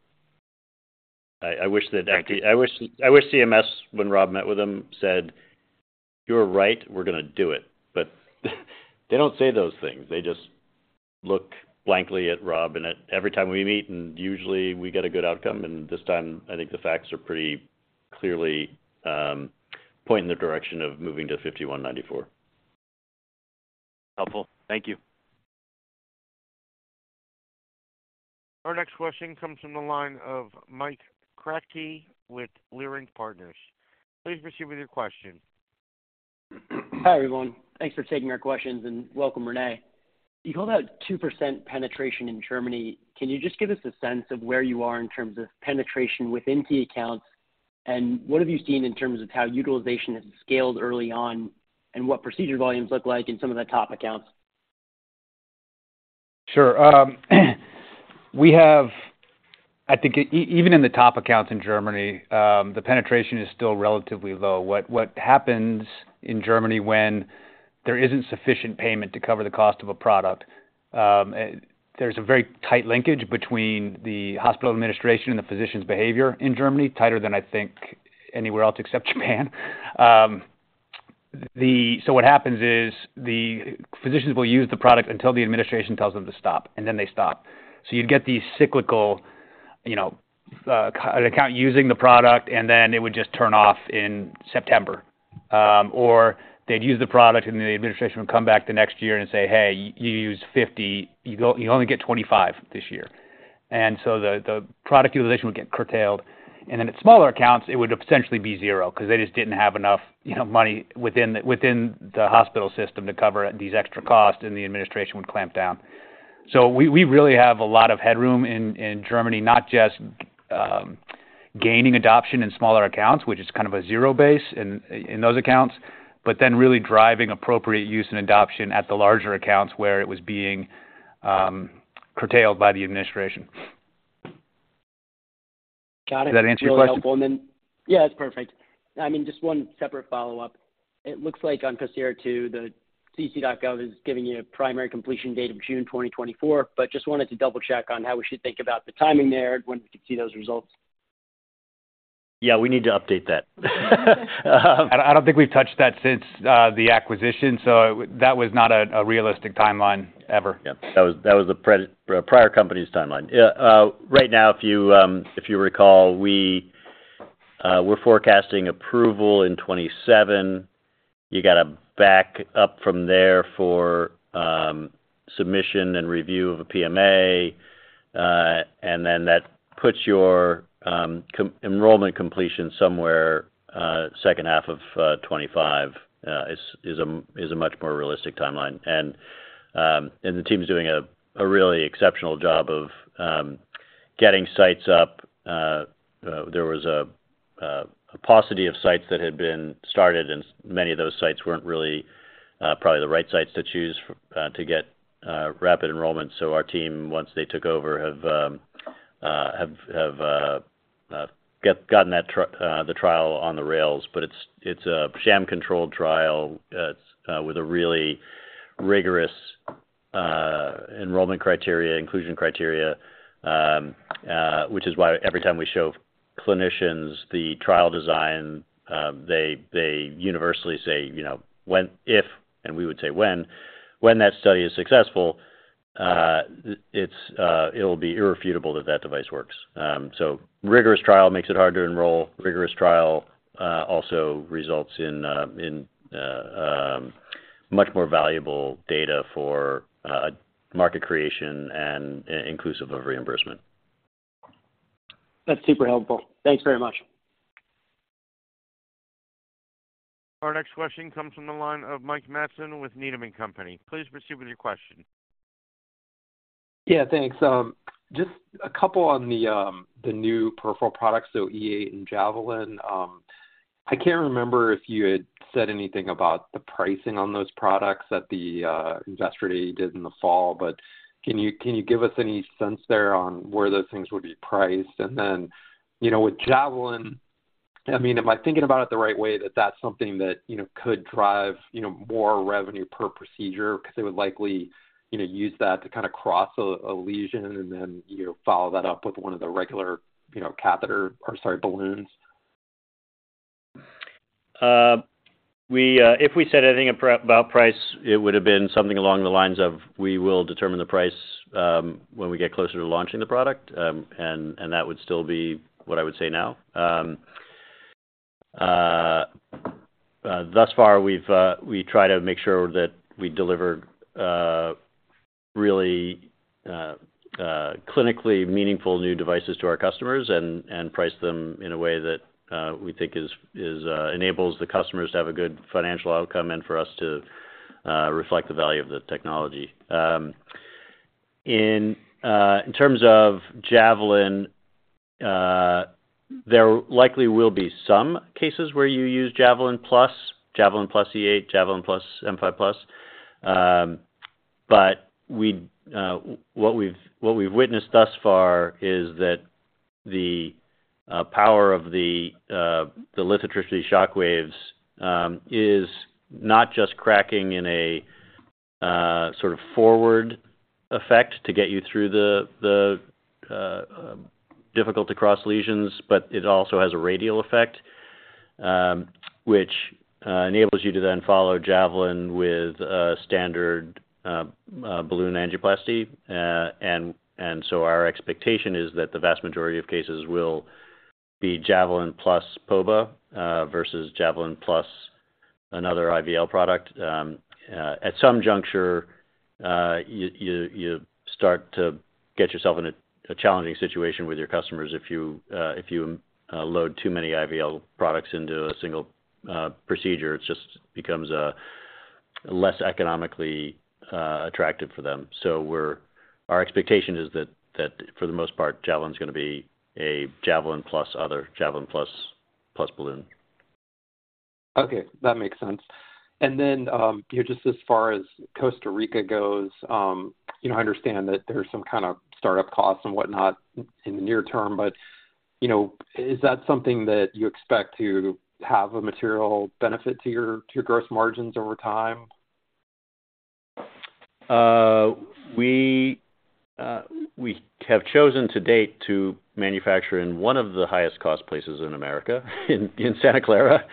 I wish that CMS, when Rob met with them, said, "You're right. We're going to do it." But they don't say those things. They just look blankly at Rob. Every time we meet, and usually, we get a good outcome. This time, I think the facts are pretty clearly pointing in the direction of moving to 5194. Helpful. Thank you. Our next question comes from the line of Mike Kratky with Leerink Partners. Please proceed with your question. Hi, everyone. Thanks for taking our questions, and welcome, Renee. You called out 2% penetration in Germany. Can you just give us a sense of where you are in terms of penetration within key accounts, and what have you seen in terms of how utilization has scaled early on and what procedure volumes look like in some of the top accounts? Sure. I think even in the top accounts in Germany, the penetration is still relatively low. What happens in Germany when there isn't sufficient payment to cover the cost of a product? There's a very tight linkage between the hospital administration and the physician's behavior in Germany, tighter than, I think, anywhere else except Japan. So what happens is the physicians will use the product until the administration tells them to stop, and then they stop. So you'd get these cyclical an account using the product, and then it would just turn off in September. Or they'd use the product, and then the administration would come back the next year and say, "Hey, you used 50. You only get 25 this year." And so the product utilization would get curtailed. And then at smaller accounts, it would essentially be zero because they just didn't have enough money within the hospital system to cover these extra costs, and the administration would clamp down. So we really have a lot of headroom in Germany, not just gaining adoption in smaller accounts, which is kind of a zero base in those accounts, but then really driving appropriate use and adoption at the larger accounts where it was being curtailed by the administration. Got it. Does that answer your question? Really helpful. And then yeah, it's perfect. I mean, just one separate follow-up. It looks like on COSIRA II, the ClinicalTrials.gov is giving you a primary completion date of June 2024, but just wanted to double-check on how we should think about the timing there and when we could see those results. Yeah. We need to update that. I don't think we've touched that since the acquisition, so that was not a realistic timeline ever. Yeah. That was a prior company's timeline. Yeah. Right now, if you recall, we're forecasting approval in 2027. You got to back up from there for submission and review of a PMA, and then that puts your enrollment completion somewhere second half of 2025 is a much more realistic timeline. And the team's doing a really exceptional job of getting sites up. There was a paucity of sites that had been started, and many of those sites weren't really probably the right sites to choose to get rapid enrollment. So our team, once they took over, have gotten the trial on the rails. But it's a sham-controlled trial with a really rigorous enrollment criteria, inclusion criteria, which is why every time we show clinicians the trial design, they universally say, "If," and we would say, "When," when that study is successful, it'll be irrefutable that that device works. Rigorous trial makes it hard to enroll. Rigorous trial also results in much more valuable data for market creation and inclusive of reimbursement. That's super helpful. Thanks very much. Our next question comes from the line of Mike Matson with Needham & Company. Please proceed with your question. Yeah. Thanks. Just a couple on the new peripheral products, so E8 and Javelin. I can't remember if you had said anything about the pricing on those products that the Investor Day did in the fall, but can you give us any sense there on where those things would be priced? And then with Javelin, I mean, am I thinking about it the right way, that that's something that could drive more revenue per procedure because they would likely use that to kind of cross a lesion and then follow that up with one of the regular catheter or, sorry, balloons? If we said anything about price, it would have been something along the lines of, "We will determine the price when we get closer to launching the product," and that would still be what I would say now. Thus far, we try to make sure that we deliver really clinically meaningful new devices to our customers and price them in a way that we think enables the customers to have a good financial outcome and for us to reflect the value of the technology. In terms of Javelin, there likely will be some cases where you use Javelin plus, Javelin plus E8, Javelin plus M5+. What we've witnessed thus far is that the power of the lithotripsy shockwaves is not just cracking in a sort of forward effect to get you through the difficult-to-cross lesions, but it also has a radial effect, which enables you to then follow Javelin with standard balloon angioplasty. So our expectation is that the vast majority of cases will be Javelin plus POBA versus Javelin plus another IVL product. At some juncture, you start to get yourself in a challenging situation with your customers if you load too many IVL products into a single procedure. It just becomes less economically attractive for them. Our expectation is that, for the most part, Javelin's going to be a Javelin plus other, Javelin plus a balloon. Okay. That makes sense. And then just as far as Costa Rica goes, I understand that there's some kind of startup costs and whatnot in the near term, but is that something that you expect to have a material benefit to your gross margins over time? We have chosen to date to manufacture in one of the highest-cost places in America, in Santa Clara.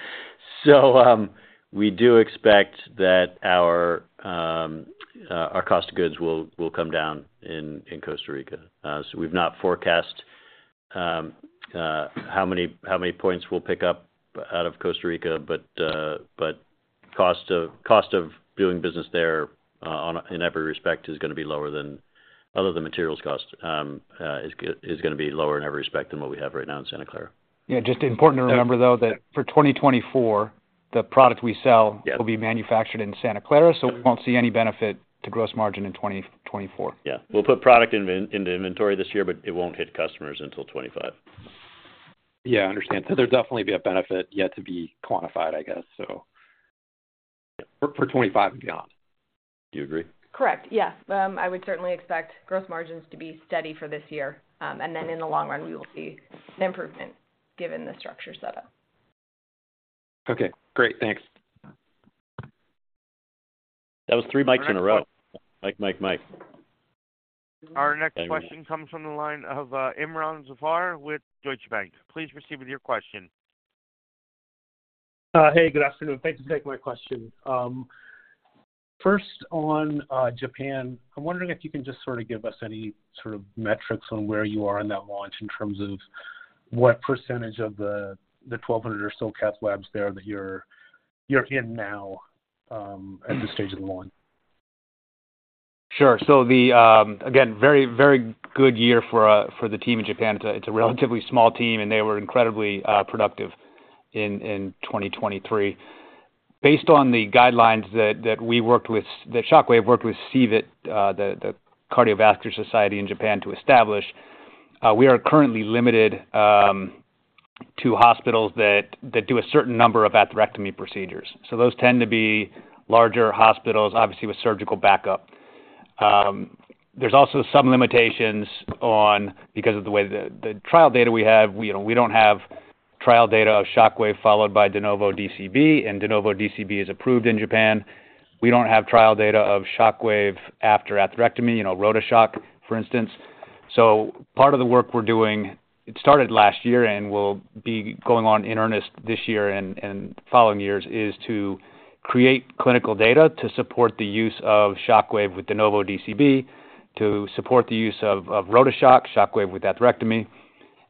We do expect that our cost of goods will come down in Costa Rica. We've not forecast how many points we'll pick up out of Costa Rica, but cost of doing business there in every respect is going to be lower than materials cost is going to be lower in every respect than what we have right now in Santa Clara. Yeah. Just important to remember, though, that for 2024, the product we sell will be manufactured in Santa Clara, so we won't see any benefit to gross margin in 2024. Yeah. We'll put product into inventory this year, but it won't hit customers until 2025. Yeah. I understand. So there'll definitely be a benefit yet to be quantified, I guess, so for 2025 and beyond. Do you agree? Correct. Yeah. I would certainly expect gross margins to be steady for this year. Then in the long run, we will see an improvement given the structure setup. Okay. Great. Thanks. That was three Mikes in a row. Mike, Mike, Mike. Our next question comes from the line of Imron Zafar with Deutsche Bank. Please proceed with your question. Hey. Good afternoon. Thanks for taking my question. First, on Japan, I'm wondering if you can just sort of give us any sort of metrics on where you are in that launch in terms of what percentage of the 1,200 or so cath labs there that you're in now at this stage of the launch? Sure. So again, very, very good year for the team in Japan. It's a relatively small team, and they were incredibly productive in 2023. Based on the guidelines that we worked with that Shockwave worked with CVIT, the Cardiovascular Society in Japan, to establish, we are currently limited to hospitals that do a certain number of atherectomy procedures. So those tend to be larger hospitals, obviously, with surgical backup. There's also some limitations because of the way the trial data we have. We don't have trial data of Shockwave followed by de novo DCB, and de novo DCB is approved in Japan. We don't have trial data of Shockwave after atherectomy, RotaShock, for instance. So part of the work we're doing it started last year and will be going on in earnest this year and following years is to create clinical data to support the use of Shockwave with de novo DCB, to support the use of RotaShock, Shockwave with atherectomy.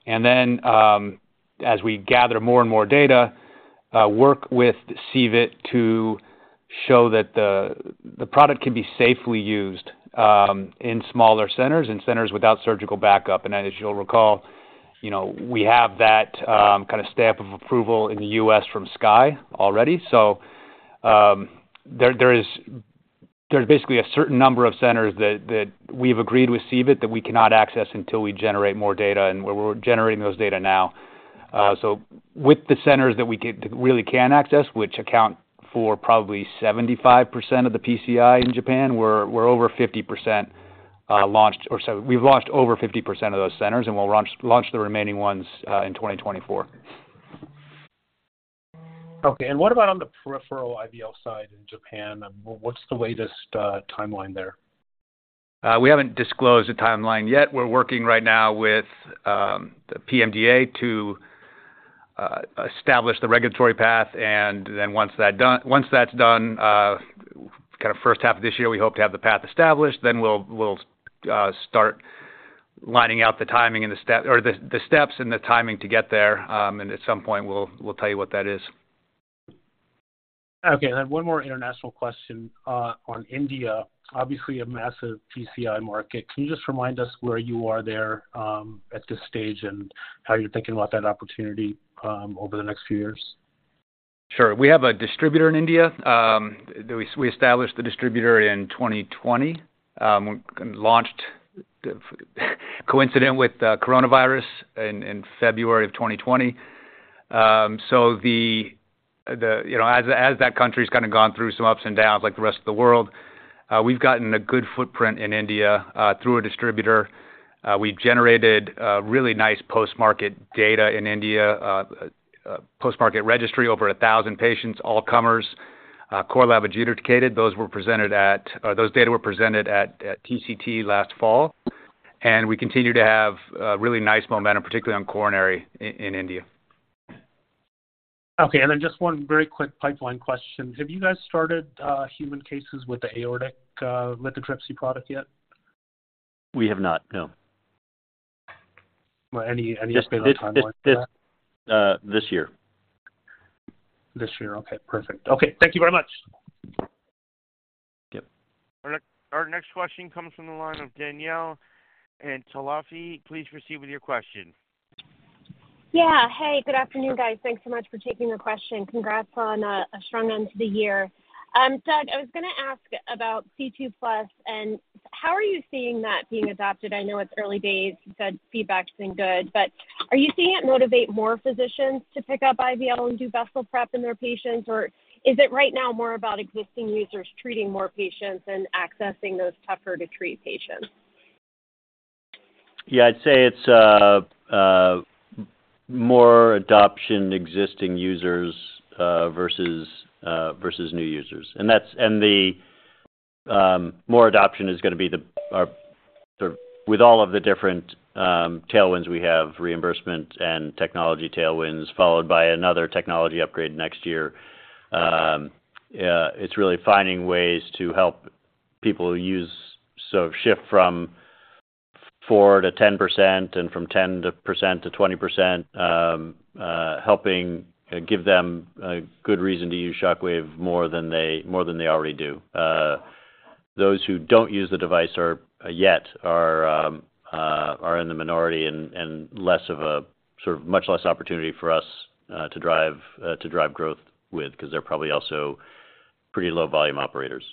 And then as we gather more and more data, work with CVIT to show that the product can be safely used in smaller centers, in centers without surgical backup. And as you'll recall, we have that kind of stamp of approval in the U.S. from SCAI already. So there's basically a certain number of centers that we've agreed with CVIT that we cannot access until we generate more data, and we're generating those data now. So with the centers that we really can access, which account for probably 75% of the PCI in Japan, we're over 50% launched or sorry, we've launched over 50% of those centers, and we'll launch the remaining ones in 2024. Okay. And what about on the peripheral IVL side in Japan? What's the latest timeline there? We haven't disclosed a timeline yet. We're working right now with the PMDA to establish the regulatory path. And then once that's done, kind of first half of this year, we hope to have the path established. Then we'll start lining out the timing and the steps and the timing to get there. And at some point, we'll tell you what that is. Okay. One more international question on India. Obviously, a massive PCI market. Can you just remind us where you are there at this stage and how you're thinking about that opportunity over the next few years? Sure. We have a distributor in India. We established the distributor in 2020, coincident with coronavirus in February of 2020. So as that country's kind of gone through some ups and downs like the rest of the world, we've gotten a good footprint in India through a distributor. We generated really nice post-market data in India, post-market registry over 1,000 patients, all-comers, core lab adjudicated. Those data were presented at TCT last fall. And we continue to have really nice momentum, particularly on coronary in India. Okay. And then just one very quick pipeline question. Have you guys started human cases with the aortic lithotripsy product yet? We have not. No. Any update on timelines? This year. This year. Okay. Perfect. Okay. Thank you very much. Yep. Our next question comes from the line of Danielle Antalffy. Please proceed with your question. Yeah. Hey. Good afternoon, guys. Thanks so much for taking the question. Congrats on a strong end to the year. Doug, I was going to ask about C2+. And how are you seeing that being adopted? I know it's early days. You said feedback's been good. But are you seeing it motivate more physicians to pick up IVL and do vessel prep in their patients, or is it right now more about existing users treating more patients and accessing those tougher-to-treat patients? Yeah. I'd say it's more adoption, existing users versus new users. And the more adoption is going to be the sort of with all of the different tailwinds we have, reimbursement and technology tailwinds, followed by another technology upgrade next year, it's really finding ways to help people use so shift from 4%-10% and from 10%-20%, helping give them a good reason to use Shockwave more than they already do. Those who don't use the device yet are in the minority and less of a sort of much less opportunity for us to drive growth with because they're probably also pretty low-volume operators.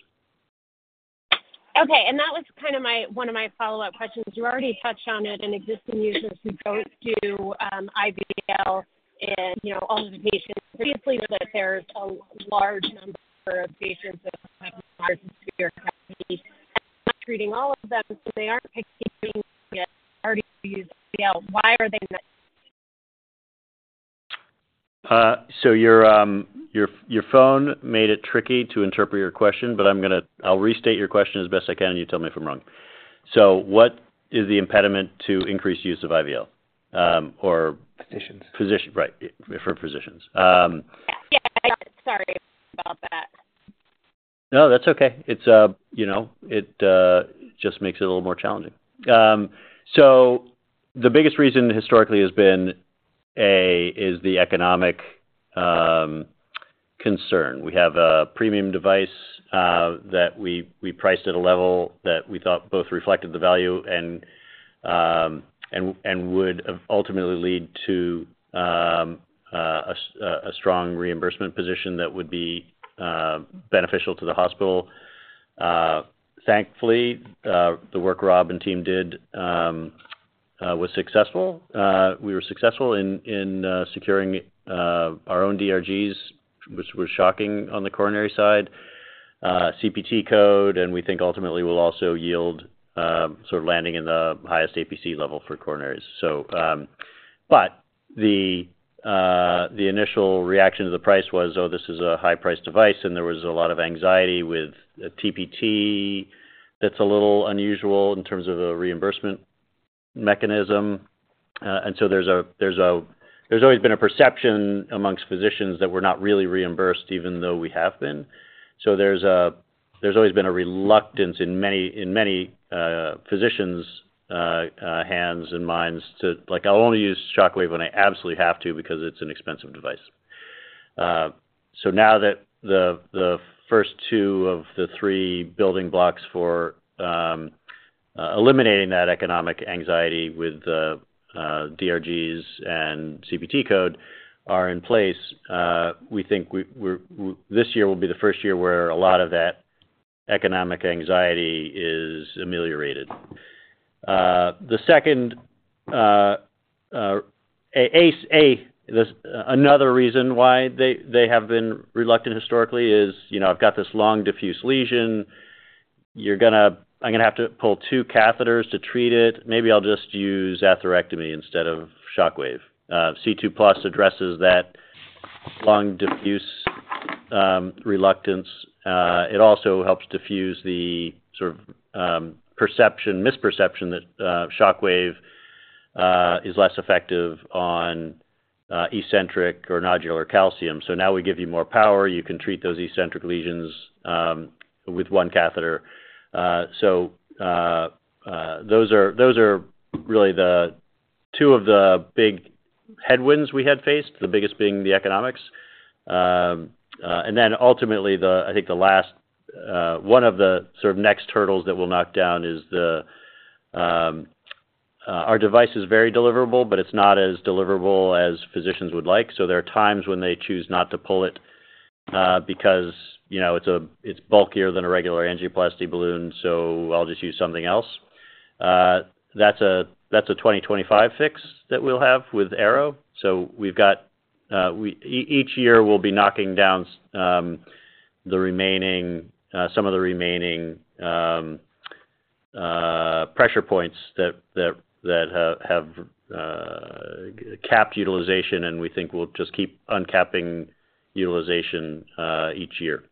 Okay. And that was kind of one of my follow-up questions. You already touched on it, and existing users who don't do IVL and all of the patients previously know that there's a large number of patients that have moderate to severe calcific disease. And not treating all of them, so they aren't picking on the target who already use IVL. Why are they not? So your phone made it tricky to interpret your question, but I'll restate your question as best I can, and you tell me if I'm wrong. So what is the impediment to increased use of IVL or? Physicians. Physicians. Right. For physicians. Yeah. Yeah. I got it. Sorry about that. No. That's okay. It just makes it a little more challenging. So the biggest reason historically has been A, is the economic concern. We have a premium device that we priced at a level that we thought both reflected the value and would ultimately lead to a strong reimbursement position that would be beneficial to the hospital. Thankfully, the work Rob and team did was successful. We were successful in securing our own DRGs, which was shocking on the coronary side, CPT code, and we think ultimately will also yield sort of landing in the highest APC level for coronaries. But the initial reaction to the price was, "Oh, this is a high-priced device," and there was a lot of anxiety with TPT that's a little unusual in terms of a reimbursement mechanism. There's always been a perception among physicians that we're not really reimbursed, even though we have been. There's always been a reluctance in many physicians' hands and minds to like, "I'll only use Shockwave when I absolutely have to because it's an expensive device." Now that the first two of the three building blocks for eliminating that economic anxiety with DRGs and CPT code are in place, we think this year will be the first year where a lot of that economic anxiety is ameliorated. The second A, another reason why they have been reluctant historically is, "I've got this long, diffuse lesion. I'm going to have to pull two catheters to treat it. Maybe I'll just use atherectomy instead of Shockwave." C2+ addresses that long, diffuse reluctance. It also helps diffuse the sort of misperception that Shockwave is less effective on eccentric or nodular calcium. So now we give you more power. You can treat those eccentric lesions with one catheter. So those are really the two of the big headwinds we had faced, the biggest being the economics. And then ultimately, I think the last one of the sort of next hurdles that we'll knock down is our device is very deliverable, but it's not as deliverable as physicians would like. So there are times when they choose not to pull it because it's bulkier than a regular angioplasty balloon, so I'll just use something else. That's a 2025 fix that we'll have with Arrow. So each year, we'll be knocking down some of the remaining pressure points that have capped utilization, and we think we'll just keep uncapping utilization each year.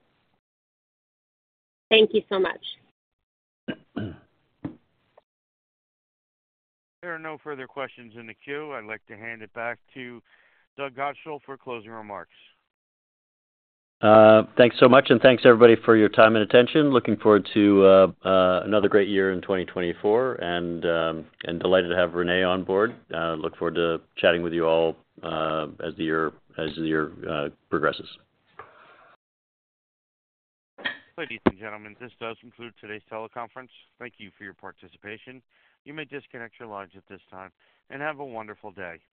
Thank you so much. There are no further questions in the queue. I'd like to hand it back to Doug Godshall for closing remarks. Thanks so much, and thanks, everybody, for your time and attention. Looking forward to another great year in 2024 and delighted to have Renee on board. Look forward to chatting with you all as the year progresses. Ladies and gentlemen, this does conclude today's teleconference. Thank you for your participation. You may disconnect your logs at this time and have a wonderful day.